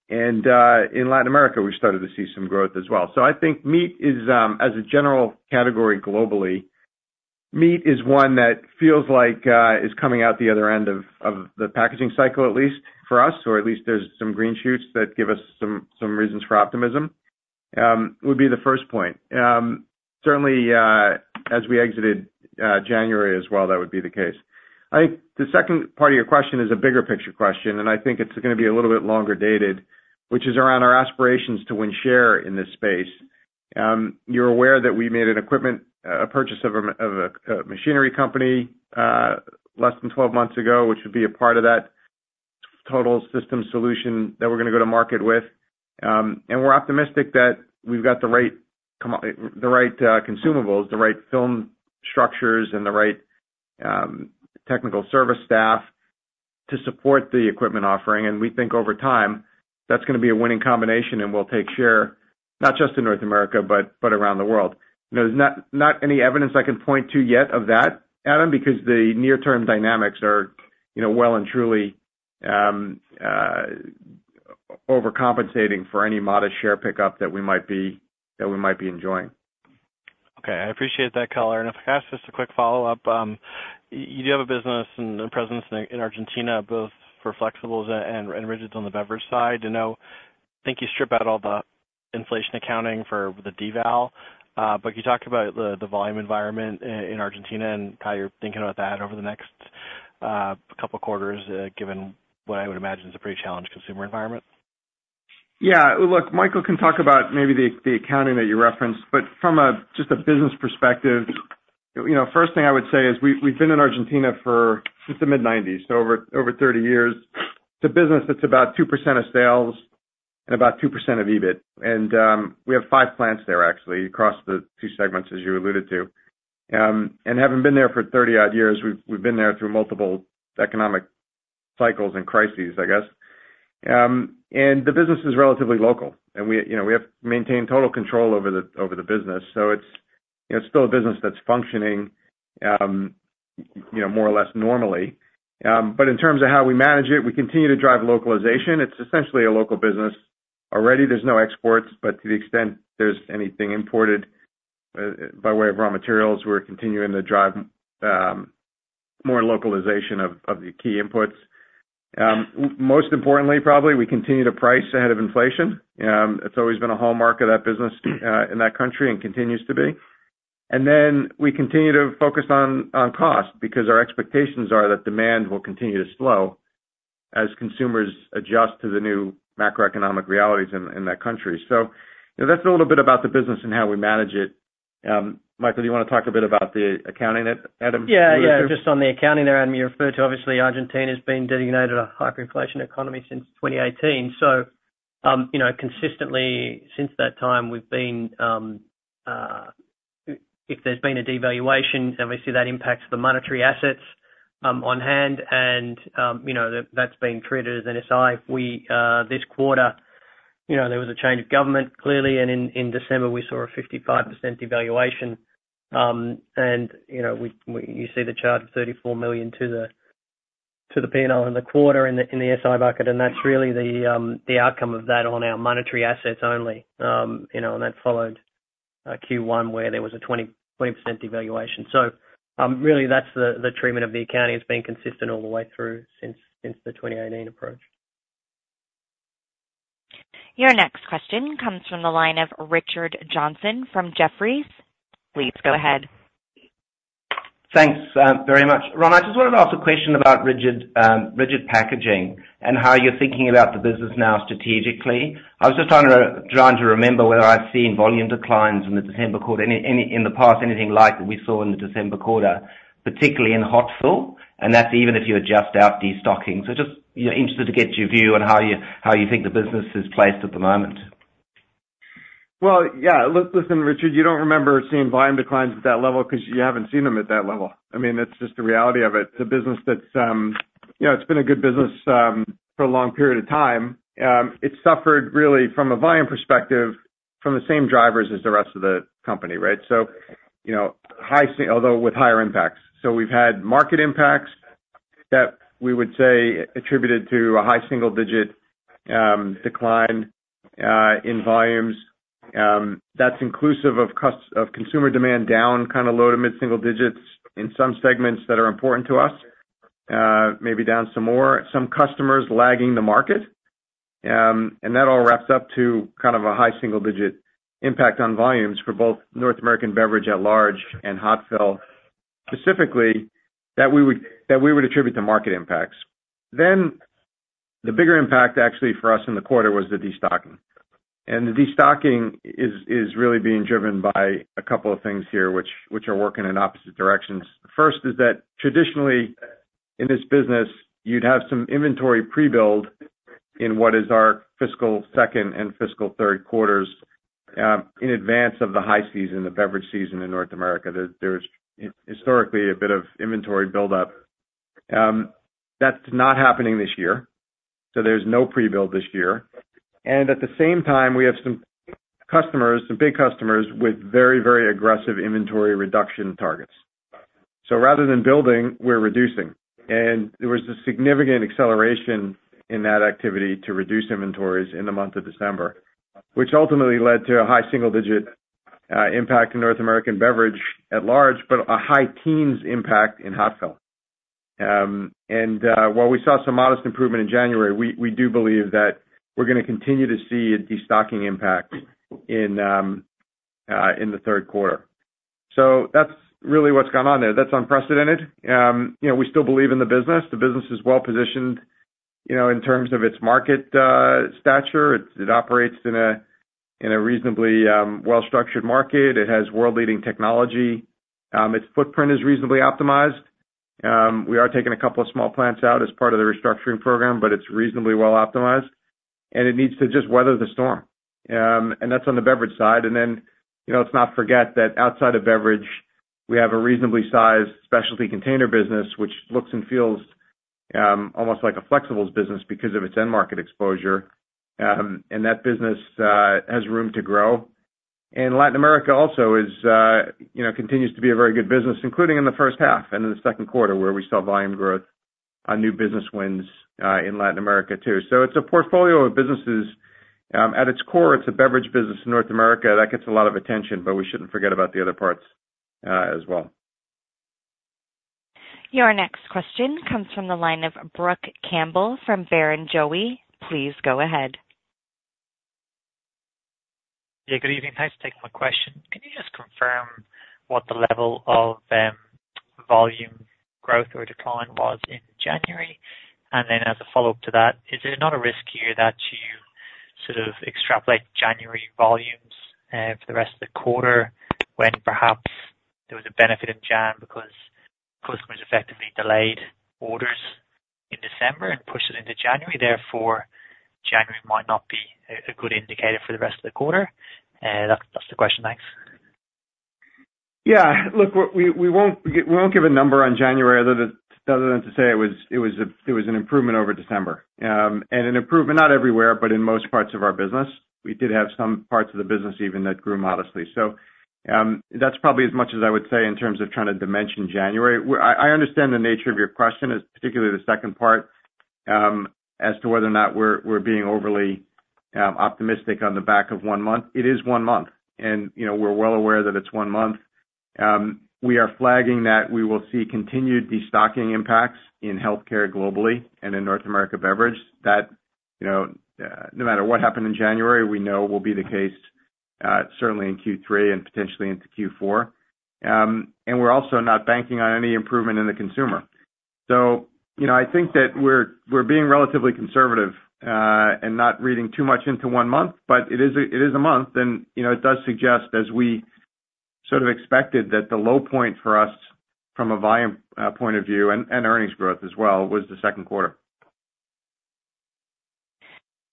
And in Latin America, we've started to see some growth as well. So I think meat is, as a general category, globally, meat is one that feels like, is coming out the other end of, the packaging cycle, at least for us, or at least there's some green shoots that give us some reasons for optimism, would be the first point. Certainly, as we exited, January as well, that would be the case. I think the second part of your question is a bigger picture question, and I think it's gonna be a little bit longer dated, which is around our aspirations to win share in this space. You're aware that we made an equipment, a purchase of a, a machinery company, less than 12 months ago, which would be a part of that total system solution that we're gonna go to market with. And we're optimistic that we've got the right consumables, the right film structures, and the right technical service staff to support the equipment offering. And we think over time, that's gonna be a winning combination, and we'll take share, not just in North America, but around the world. There's not any evidence I can point to yet of that, Adam, because the near-term dynamics are, you know, well and truly overcompensating for any modest share pickup that we might be enjoying. Okay. I appreciate that color. And if I could ask just a quick follow-up. You do have a business and a presence in, in Argentina, both for Flexibles and, and Rigid on the beverage side. I know, I think you strip out all the inflation accounting for the deval, but can you talk about the, the volume environment in Argentina and how you're thinking about that over the next couple quarters, given what I would imagine is a pretty challenged consumer environment? Yeah. Look, Michael can talk about maybe the accounting that you referenced, but from a just a business perspective, you know, first thing I would say is we, we've been in Argentina for since the mid-1990s, so over 30 years. It's a business that's about 2% of sales and about 2% of EBIT. And we have five plants there, actually, across the two segments, as you alluded to. And having been there for 30-odd years, we've been there through multiple economic cycles and crises, I guess. And the business is relatively local, and we, you know, we have maintained total control over the business. So it's, you know, still a business that's functioning, you know, more or less normally. But in terms of how we manage it, we continue to drive localization. It's essentially a local business already. There's no exports, but to the extent there's anything imported, by way of raw materials, we're continuing to drive more localization of the key inputs. Most importantly, probably, we continue to price ahead of inflation. It's always been a hallmark of that business in that country and continues to be. And then we continue to focus on cost because our expectations are that demand will continue to slow as consumers adjust to the new macroeconomic realities in that country. So that's a little bit about the business and how we manage it. Michael, do you want to talk a bit about the accounting that Adam alluded to? Yeah, yeah. Just on the accounting there, Adam, you referred to, obviously, Argentina's been designated a hyperinflation economy since 2018. So, you know, consistently since that time, we've been, if there's been a devaluation, then we see that impacts the monetary assets, on hand, and, you know, that's being treated as an SI. We, this quarter, you know, there was a change of government, clearly, and in December, we saw a 55% devaluation. And, you know, we you see the charge of $34 million to the P&L in the quarter in the SI bucket, and that's really the outcome of that on our monetary assets only. You know, and that followed, Q1, where there was a 20, 20% devaluation. So, really, that's the treatment of the accounting. It's been consistent all the way through since the 2018 approach. Your next question comes from the line of Richard Johnson from Jefferies. Please go ahead. Thanks, very much. Ron, I just wanted to ask a question about Rigid Packaging and how you're thinking about the business now strategically. I was just trying to remember whether I've seen volume declines in the December quarter in the past, anything like we saw in the December quarter, particularly in hot fill, and that's even if you adjust out destocking. So just, you know, interested to get your view on how you think the business is placed at the moment. Well, yeah. Look, listen, Richard, you don't remember seeing volume declines at that level because you haven't seen them at that level. I mean, that's just the reality of it. It's a business that's, you know, it's been a good business, for a long period of time. It suffered really from a volume perspective, from the same drivers as the rest of the company, right? So, you know, high, although with higher impacts. So we've had market impacts that we would say attributed to a high single-digit decline in volumes. That's inclusive of consumer demand down, kind of low to mid-single digits in some segments that are important to us, maybe down some more, some customers lagging the market. And that all wraps up to kind of a high single-digit impact on volumes for both North American beverage at large and hot fill, specifically, that we would attribute to market impacts. Then, the bigger impact, actually, for us in the quarter was the destocking. And the destocking is really being driven by a couple of things here, which are working in opposite directions. First is that traditionally, in this business, you'd have some inventory pre-build in what is our fiscal second and fiscal third quarters, in advance of the high season, the beverage season in North America. There's historically a bit of inventory buildup. That's not happening this year, so there's no pre-build this year. And at the same time, we have some customers, some big customers with very, very aggressive inventory reduction targets. So rather than building, we're reducing. There was a significant acceleration in that activity to reduce inventories in the month of December, which ultimately led to a high single-digit impact in North American beverage at large, but a high-teens impact in hot fill. While we saw some modest improvement in January, we do believe that we're gonna continue to see a destocking impact in the third quarter. So that's really what's going on there. That's unprecedented. You know, we still believe in the business. The business is well positioned, you know, in terms of its market stature. It operates in a reasonably well-structured market. It has world-leading technology. Its footprint is reasonably optimized. We are taking a couple of small plants out as part of the restructuring program, but it's reasonably well optimized, and it needs to just weather the storm. And that's on the beverage side. And then, you know, let's not forget that outside of beverage, we have a reasonably sized specialty container business, which looks and feels, almost like a Flexibles business because of its end market exposure. And that business has room to grow. And Latin America also is, you know, continues to be a very good business, including in the first half and in the second quarter, where we saw volume growth on new business wins, in Latin America, too. So it's a portfolio of businesses. At its core, it's a beverage business in North America. That gets a lot of attention, but we shouldn't forget about the other parts, as well. Your next question comes from the line of Brook Campbell from Barrenjoey. Please go ahead. Yeah, good evening. Thanks for taking my question. Can you just confirm what the level of volume growth or decline was in January? And then as a follow-up to that, is there not a risk here that you sort of extrapolate January volumes for the rest of the quarter, when perhaps there was a benefit in January because customers effectively delayed orders in December and pushed it into January, therefore, January might not be a good indicator for the rest of the quarter? That's the question. Thanks. Yeah, look, we won't give a number on January other than to say it was an improvement over December. And an improvement, not everywhere, but in most parts of our business. We did have some parts of the business even that grew modestly. So, that's probably as much as I would say in terms of trying to dimension January. I understand the nature of your question, particularly the second part, as to whether or not we're being overly optimistic on the back of one month. It is one month, and, you know, we're well aware that it's one month. We are flagging that we will see continued destocking impacts in healthcare globally and in North America beverage. That, you know, no matter what happened in January, we know will be the case, certainly in Q3 and potentially into Q4. And we're also not banking on any improvement in the consumer. So, you know, I think that we're, we're being relatively conservative, and not reading too much into one month, but it is, it is a month, and, you know, it does suggest, as we sort of expected, that the low point for us from a volume, point of view and, and earnings growth as well, was the second quarter.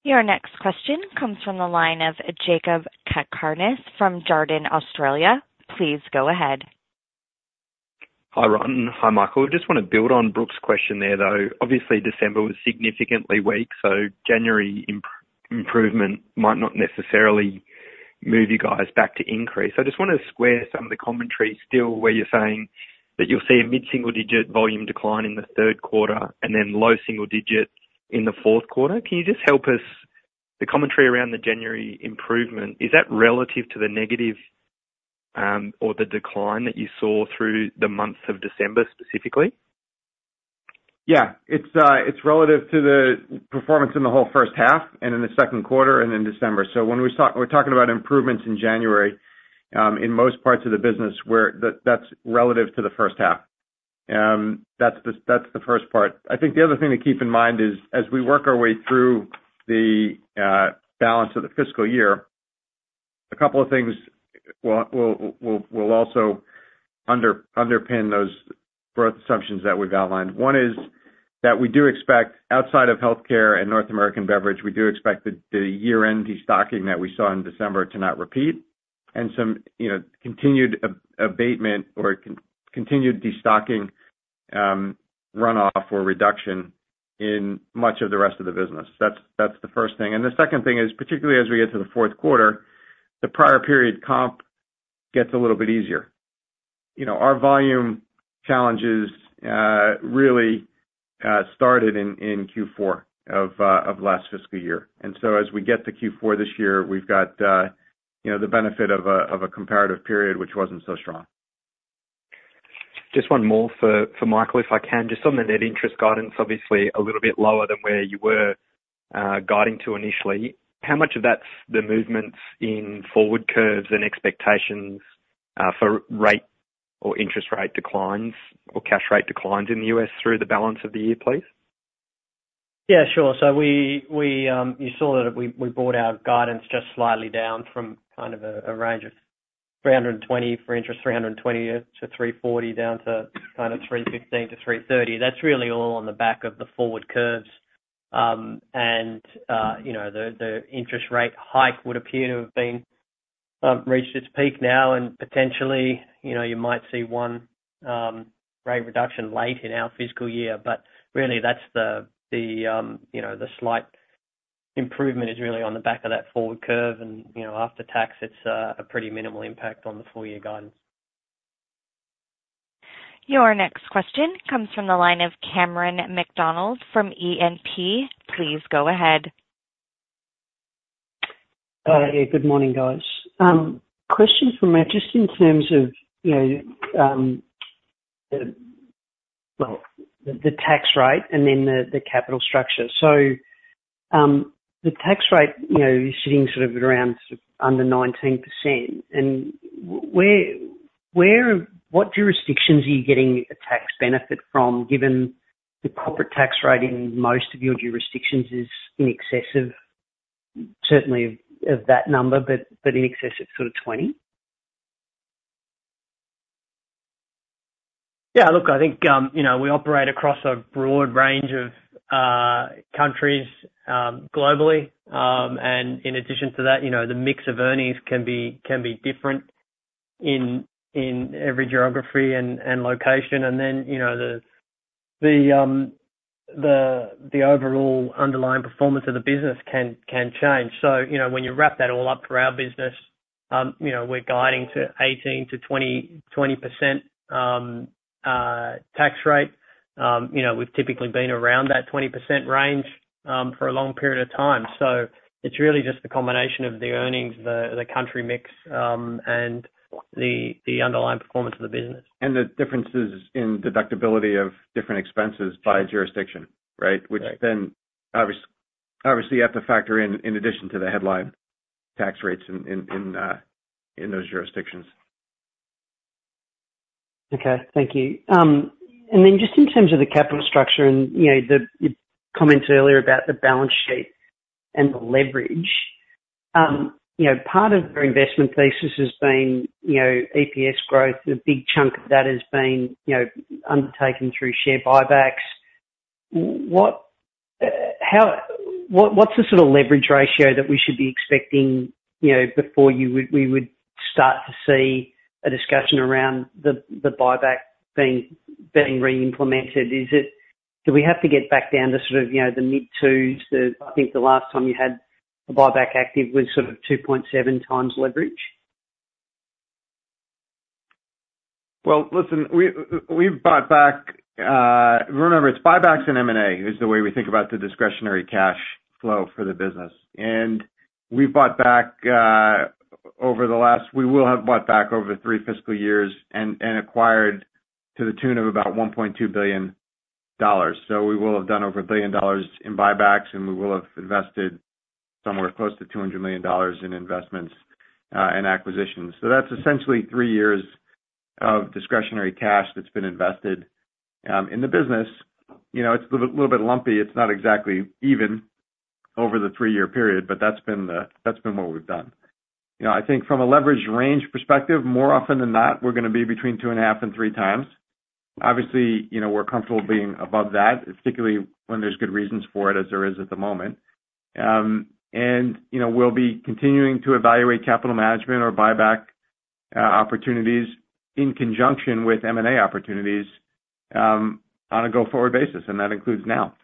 Your next question comes from the line of Jakob Cakarnis from Jarden Australia. Please go ahead. Hi, Ron. Hi, Michael. Just want to build on Brook's question there, though. Obviously, December was significantly weak, so January improvement might not necessarily move you guys back to increase. I just want to square some of the commentary still, where you're saying that you'll see a mid-single-digit volume decline in the third quarter and then low single-digits in the fourth quarter. Can you just help us? The commentary around the January improvement, is that relative to the negative, or the decline that you saw through the months of December, specifically? Yeah. It's relative to the performance in the whole first half and in the second quarter and in December. So when we talk, we're talking about improvements in January, in most parts of the business, where that, that's relative to the first half. That's the first part. I think the other thing to keep in mind is, as we work our way through the balance of the fiscal year, a couple of things will also underpin those growth assumptions that we've outlined. One is that we do expect, outside of healthcare and North American beverage, we do expect the year-end destocking that we saw in December to not repeat, and some, you know, continued abatement or continued destocking, runoff or reduction in much of the rest of the business. That's the first thing. The second thing is, particularly as we get to the fourth quarter, the prior period comp gets a little bit easier. You know, our volume challenges really started in Q4 of last fiscal year. And so as we get to Q4 this year, we've got you know, the benefit of a comparative period, which wasn't so strong. Just one more for Michael, if I can. Just on the net interest guidance, obviously a little bit lower than where you were guiding to initially. How much of that's the movements in forward curves and expectations for rate or interest rate declines or cash rate declines in the U.S. through the balance of the year, please? Yeah, sure. So you saw that we brought our guidance just slightly down from kind of a range of $320 for interest, $320-$340 down to kind of $315-$330. That's really all on the back of the forward curves. And you know, the interest rate hike would appear to have been reached its peak now, and potentially, you know, you might see one rate reduction late in our fiscal year. But really, that's the slight improvement is really on the back of that forward curve. And you know, after tax, it's a pretty minimal impact on the full-year guidance. Your next question comes from the line of Cameron McDonald from E&P. Please go ahead. Yeah, good morning, guys. Question for Mike, just in terms of, you know, the tax rate and then the capital structure. So, the tax rate, you know, is sitting sort of around under 19%. And where, what jurisdictions are you getting a tax benefit from, given the corporate tax rate in most of your jurisdictions is in excess of certainly of that number, but in excess of sort of 20? Yeah, look, I think, you know, we operate across a broad range of countries globally. And in addition to that, you know, the mix of earnings can be different in every geography and location. And then, you know, the overall underlying performance of the business can change. So, you know, when you wrap that all up for our business, you know, we're guiding to 18%-20% tax rate. You know, we've typically been around that 20% range for a long period of time. So it's really just the combination of the earnings, the country mix, and the underlying performance of the business. The differences in deductibility of different expenses by jurisdiction, right? Right. Which then obviously, you have to factor in, in addition to the headline tax rates in those jurisdictions. Okay. Thank you. And then just in terms of the capital structure and, you know, the, your comments earlier about the balance sheet and the leverage, you know, part of your investment thesis has been, you know, EPS growth. A big chunk of that has been, you know, undertaken through share buybacks. What’s the sort of leverage ratio that we should be expecting, you know, before we would start to see a discussion around the buyback being reimplemented? Is it... Do we have to get back down to sort of, you know, the mid-2s? I think the last time you had a buyback active was sort of 2.7x leverage. Well, listen, we've bought back. Remember, it's buybacks and M&A, is the way we think about the discretionary cash flow for the business. And we've bought back, we will have bought back over three fiscal years and acquired to the tune of about $1.2 billion. So we will have done over $1 billion in buybacks, and we will have invested somewhere close to $200 million in investments and acquisitions. So that's essentially three years of discretionary cash that's been invested in the business. You know, it's a little, little bit lumpy. It's not exactly even over the three-year period, but that's been what we've done. You know, I think from a leverage range perspective, more often than not, we're gonna be between 2.5x and 3x. Obviously, you know, we're comfortable being above that, particularly when there's good reasons for it, as there is at the moment. And, you know, we'll be continuing to evaluate capital management or buyback opportunities in conjunction with M&A opportunities on a go-forward basis, and that includes now.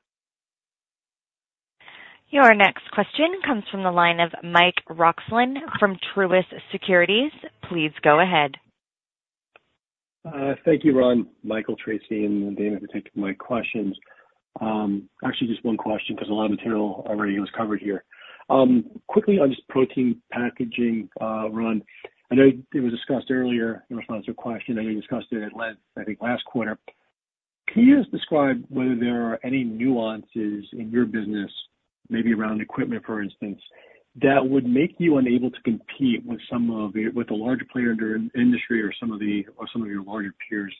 Your next question comes from the line of Mike Roxland from Truist Securities. Please go ahead. Thank you, Ron, Michael, Tracey for taking my questions. Actually, just one question, because a lot of material already was covered here. Quickly on just protein packaging, Ron, I know it was discussed earlier in response to a question, and you discussed it at length, I think, last quarter. Can you just describe whether there are any nuances in your business, maybe around equipment, for instance, that would make you unable to compete with some of the- with the larger player in the industry or some of the- or some of your larger peers?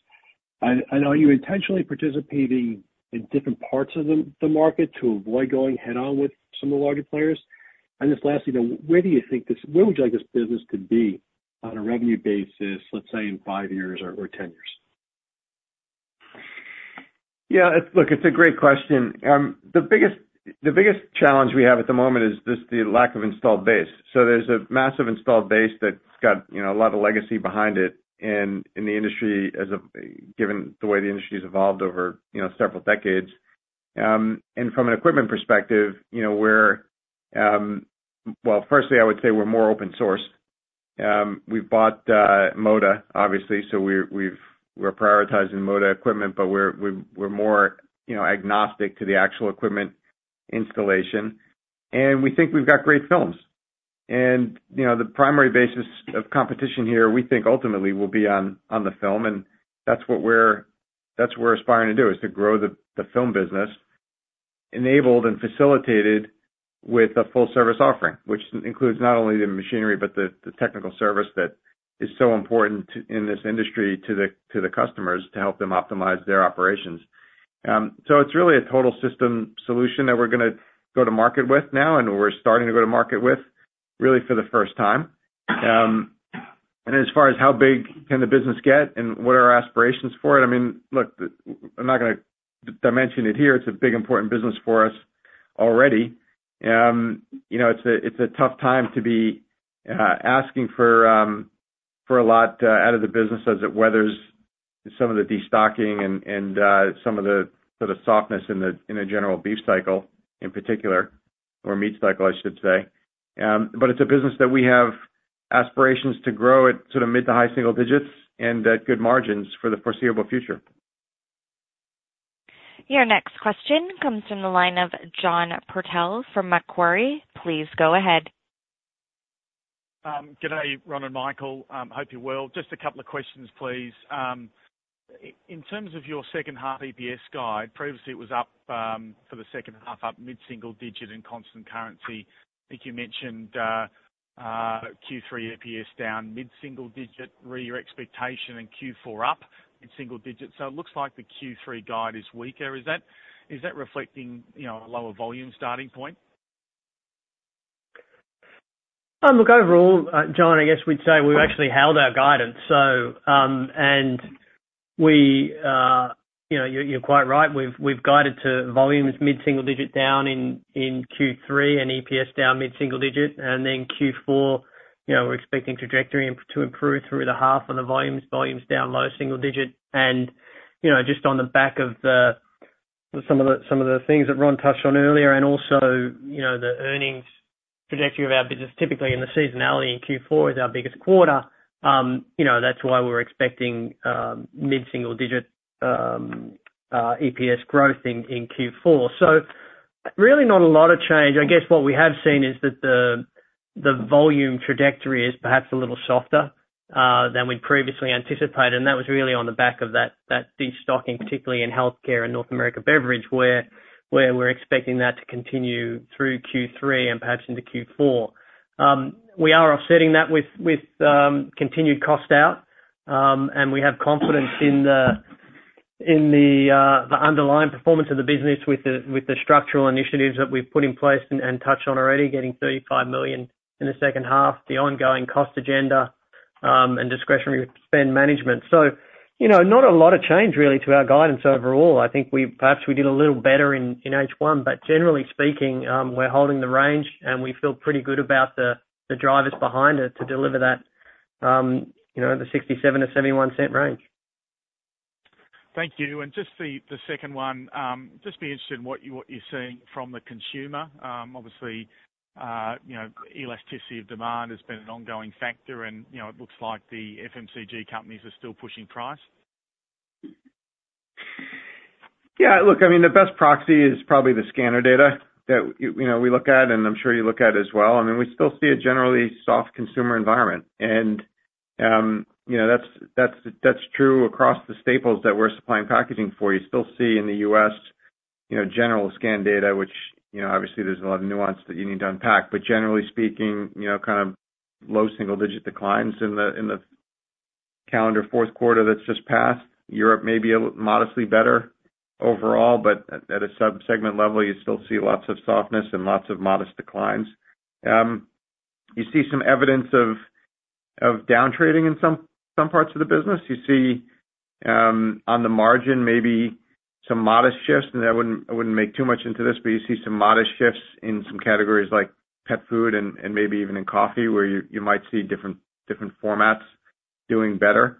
And are you intentionally participating in different parts of the market to avoid going head-on with some of the larger players? Just lastly, though, where do you think this, where would you like this business to be on a revenue basis, let's say, in five years or, or 10 years?... Yeah, it's—look, it's a great question. The biggest, the biggest challenge we have at the moment is just the lack of installed base. So there's a massive installed base that's got, you know, a lot of legacy behind it in, in the industry as of, given the way the industry's evolved over, you know, several decades. And from an equipment perspective, you know, we're, well, firstly, I would say we're more open source. We've bought Moda, obviously, so we're, we've—we're prioritizing Moda equipment, but we're, we, we're more, you know, agnostic to the actual equipment installation. And we think we've got great films. You know, the primary basis of competition here, we think, ultimately, will be on, on the film, and that's what we're—that's what we're aspiring to do, is to grow the, the film business, enabled and facilitated with a full service offering, which includes not only the machinery but the, the technical service that is so important to, in this industry, to the, to the customers to help them optimize their operations. So it's really a total system solution that we're gonna go to market with now, and we're starting to go to market with, really for the first time. And as far as how big can the business get and what are our aspirations for it? I mean, look, I'm not gonna dimension it here. It's a big important business for us already. You know, it's a tough time to be asking for a lot out of the business as it weathers some of the destocking and some of the sort of softness in the general beef cycle, in particular, or meat cycle, I should say. But it's a business that we have aspirations to grow at sort of mid to high-single digits and at good margins for the foreseeable future. Your next question comes from the line of John Purtell from Macquarie. Please go ahead. Good day, Ron and Michael, hope you're well. Just a couple of questions, please. In terms of your second half EPS guide, previously it was up, for the second half, up mid-single digit and constant currency. I think you mentioned, Q3 EPS down mid-single digit, regarding your expectation in Q4 up in single digits. So it looks like the Q3 guide is weaker. Is that, is that reflecting, you know, a lower volume starting point? Look, overall, John, I guess we'd say we've actually held our guidance. So, you know, you're quite right, we've guided to volumes mid-single digit down in Q3 and EPS down mid-single digit, and then Q4, you know, we're expecting trajectory to improve through the half on the volumes, volumes down low single-digits. And, you know, just on the back of some of the things that Ron touched on earlier, and also, you know, the earnings trajectory of our business, typically in the seasonality in Q4 is our biggest quarter, you know, that's why we're expecting mid-single-digit EPS growth in Q4. So really not a lot of change. I guess what we have seen is that the volume trajectory is perhaps a little softer than we'd previously anticipated, and that was really on the back of that destocking, particularly in healthcare and North America beverage, where we're expecting that to continue through Q3 and perhaps into Q4. We are offsetting that with continued cost out, and we have confidence in the underlying performance of the business with the structural initiatives that we've put in place and touched on already, getting $35 million in the second half, the ongoing cost agenda, and discretionary spend management. So, you know, not a lot of change really to our guidance overall. I think we, perhaps we did a little better in, in H1, but generally speaking, we're holding the range, and we feel pretty good about the, the drivers behind it to deliver that, you know, the $0.67-$0.71 range. Thank you. And just the second one, just be interested in what you're seeing from the consumer. Obviously, you know, elasticity of demand has been an ongoing factor, and, you know, it looks like the FMCG companies are still pushing price. Yeah, look, I mean, the best proxy is probably the scanner data that, you know, we look at, and I'm sure you look at as well. I mean, we still see a generally soft consumer environment, and, you know, that's true across the staples that we're supplying packaging for. You still see in the U.S., you know, general scan data, which, you know, obviously there's a lot of nuance that you need to unpack. But generally speaking, you know, kind of low single-digit declines in the calendar fourth quarter that's just passed. Europe may be a little modestly better overall, but at a sub-segment level, you still see lots of softness and lots of modest declines. You see some evidence of downtrading in some parts of the business. You see, on the margin, maybe some modest shifts, and I wouldn't make too much into this, but you see some modest shifts in some categories like pet food and maybe even in coffee, where you might see different formats doing better.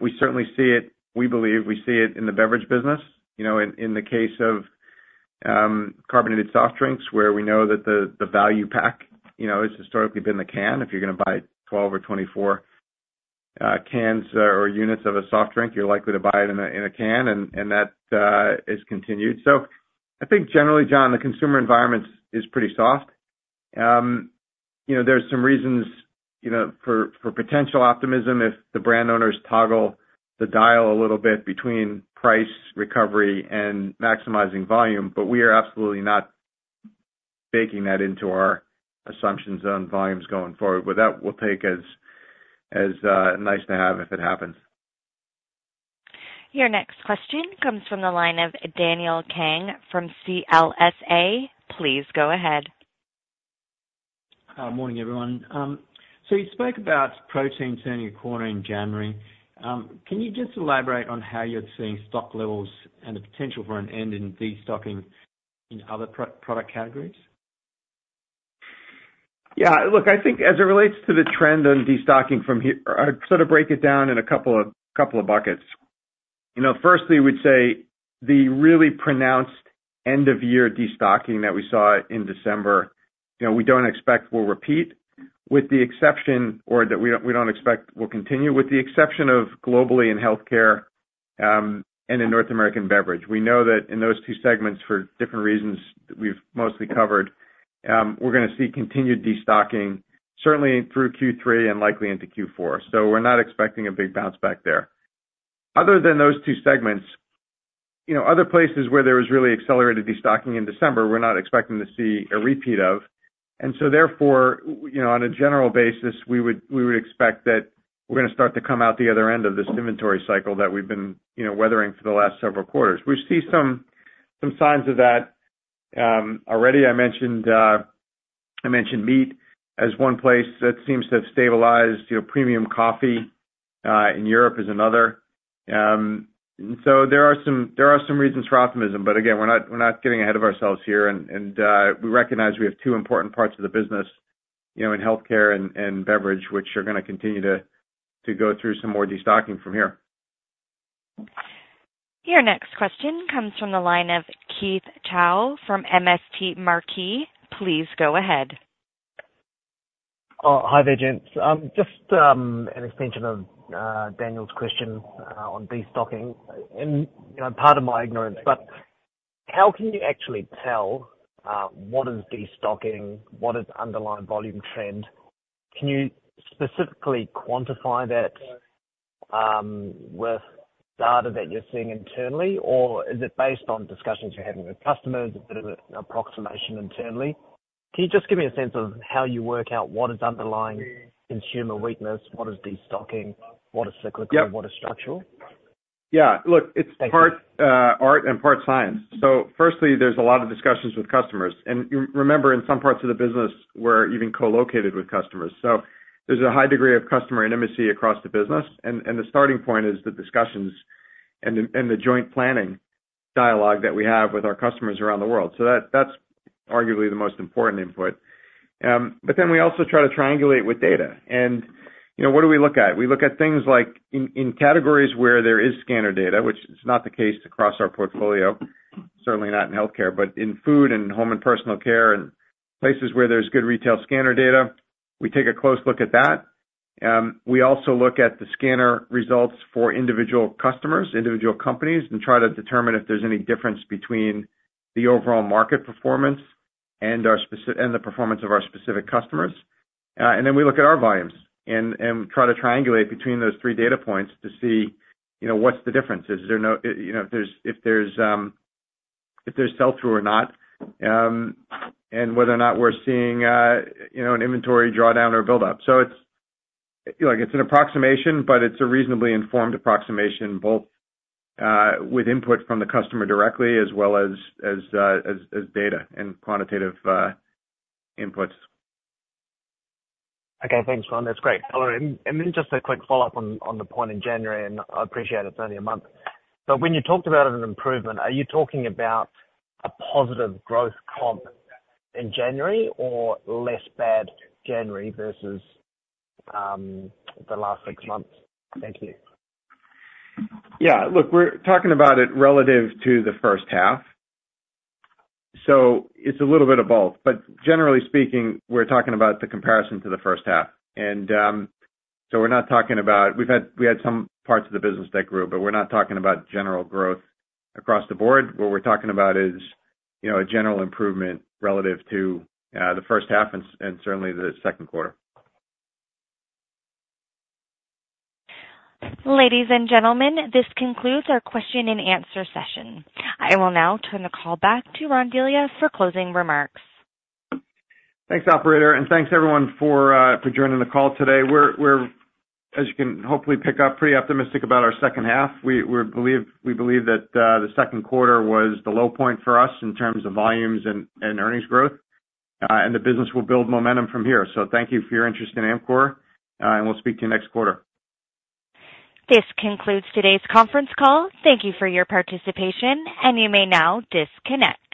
We certainly see it. We believe we see it in the beverage business, you know, in the case of carbonated soft drinks, where we know that the value pack, you know, has historically been the can. If you're gonna buy 12 or 24 cans or units of a soft drink, you're likely to buy it in a can, and that is continued. So I think generally, John, the consumer environment is pretty soft. You know, there's some reasons, you know, for potential optimism if the brand owners toggle the dial a little bit between price, recovery, and maximizing volume, but we are absolutely not baking that into our assumptions on volumes going forward. But that we'll take as a nice to have if it happens. Your next question comes from the line of Daniel Kang from CLSA. Please go ahead.... morning, everyone. So you spoke about protein turning a corner in January. Can you just elaborate on how you're seeing stock levels and the potential for an end in destocking in other protein product categories? Yeah, look, I think as it relates to the trend on destocking from here, I'd sort of break it down in a couple of buckets. You know, firstly, we'd say the really pronounced end-of-year destocking that we saw in December, you know, we don't expect will repeat, with the exception or that we don't expect will continue, with the exception of globally in healthcare, and in North American beverage. We know that in those two segments, for different reasons, we've mostly covered, we're gonna see continued destocking, certainly through Q3 and likely into Q4. So we're not expecting a big bounce back there. Other than those two segments, you know, other places where there was really accelerated destocking in December, we're not expecting to see a repeat of. And so therefore, you know, on a general basis, we would, we would expect that we're gonna start to come out the other end of this inventory cycle that we've been, you know, weathering for the last several quarters. We see some, some signs of that, already. I mentioned, I mentioned meat as one place that seems to have stabilized, you know, premium coffee in Europe is another. So there are some, there are some reasons for optimism, but again, we're not, we're not getting ahead of ourselves here. And, and, we recognize we have two important parts of the business, you know, in healthcare and, and, beverage, which are gonna continue to, to go through some more destocking from here. Your next question comes from the line of Keith Chau from MST Marquee. Please go ahead. Oh, hi there, gents. Just an extension of Daniel's question on destocking. And, you know, part of my ignorance, but how can you actually tell what is destocking? What is underlying volume trend? Can you specifically quantify that with data that you're seeing internally? Or is it based on discussions you're having with customers, a bit of an approximation internally? Can you just give me a sense of how you work out what is underlying consumer weakness? What is destocking? What is cyclical- Yep. What is structural? Yeah. Look, it's- Thank you. part art and part science. So firstly, there's a lot of discussions with customers, and remember, in some parts of the business, we're even co-located with customers, so there's a high degree of customer intimacy across the business. And the starting point is the discussions and the joint planning dialogue that we have with our customers around the world. So that's arguably the most important input. But then we also try to triangulate with data. And, you know, what do we look at? We look at things like in categories where there is scanner data, which is not the case across our portfolio, certainly not in healthcare, but in food and home and personal care and places where there's good retail scanner data, we take a close look at that. We also look at the scanner results for individual customers, individual companies, and try to determine if there's any difference between the overall market performance and the performance of our specific customers. And then we look at our volumes and try to triangulate between those three data points to see, you know, what's the difference. You know, if there's sell-through or not, and whether or not we're seeing, you know, an inventory drawdown or build up. So it's, like, it's an approximation, but it's a reasonably informed approximation, both with input from the customer directly as well as data and quantitative inputs. Okay. Thanks, Ron. That's great. And then just a quick follow-up on the point in January, and I appreciate it's only a month, but when you talked about an improvement, are you talking about a positive growth comp in January or less bad January versus the last six months? Thank you. Yeah, look, we're talking about it relative to the first half, so it's a little bit of both. But generally speaking, we're talking about the comparison to the first half. And, so we're not talking about- we've had, we had some parts of the business that grew, but we're not talking about general growth across the board. What we're talking about is, you know, a general improvement relative to, the first half and, and certainly the second quarter. Ladies and gentlemen, this concludes our question-and-answer session. I will now turn the call back to Ron Delia for closing remarks. Thanks, Operator, and thanks everyone for joining the call today. We're, as you can hopefully pick up, pretty optimistic about our second half. We believe that the second quarter was the low point for us in terms of volumes and earnings growth, and the business will build momentum from here. So thank you for your interest in Amcor, and we'll speak to you next quarter. This concludes today's conference call. Thank you for your participation, and you may now disconnect.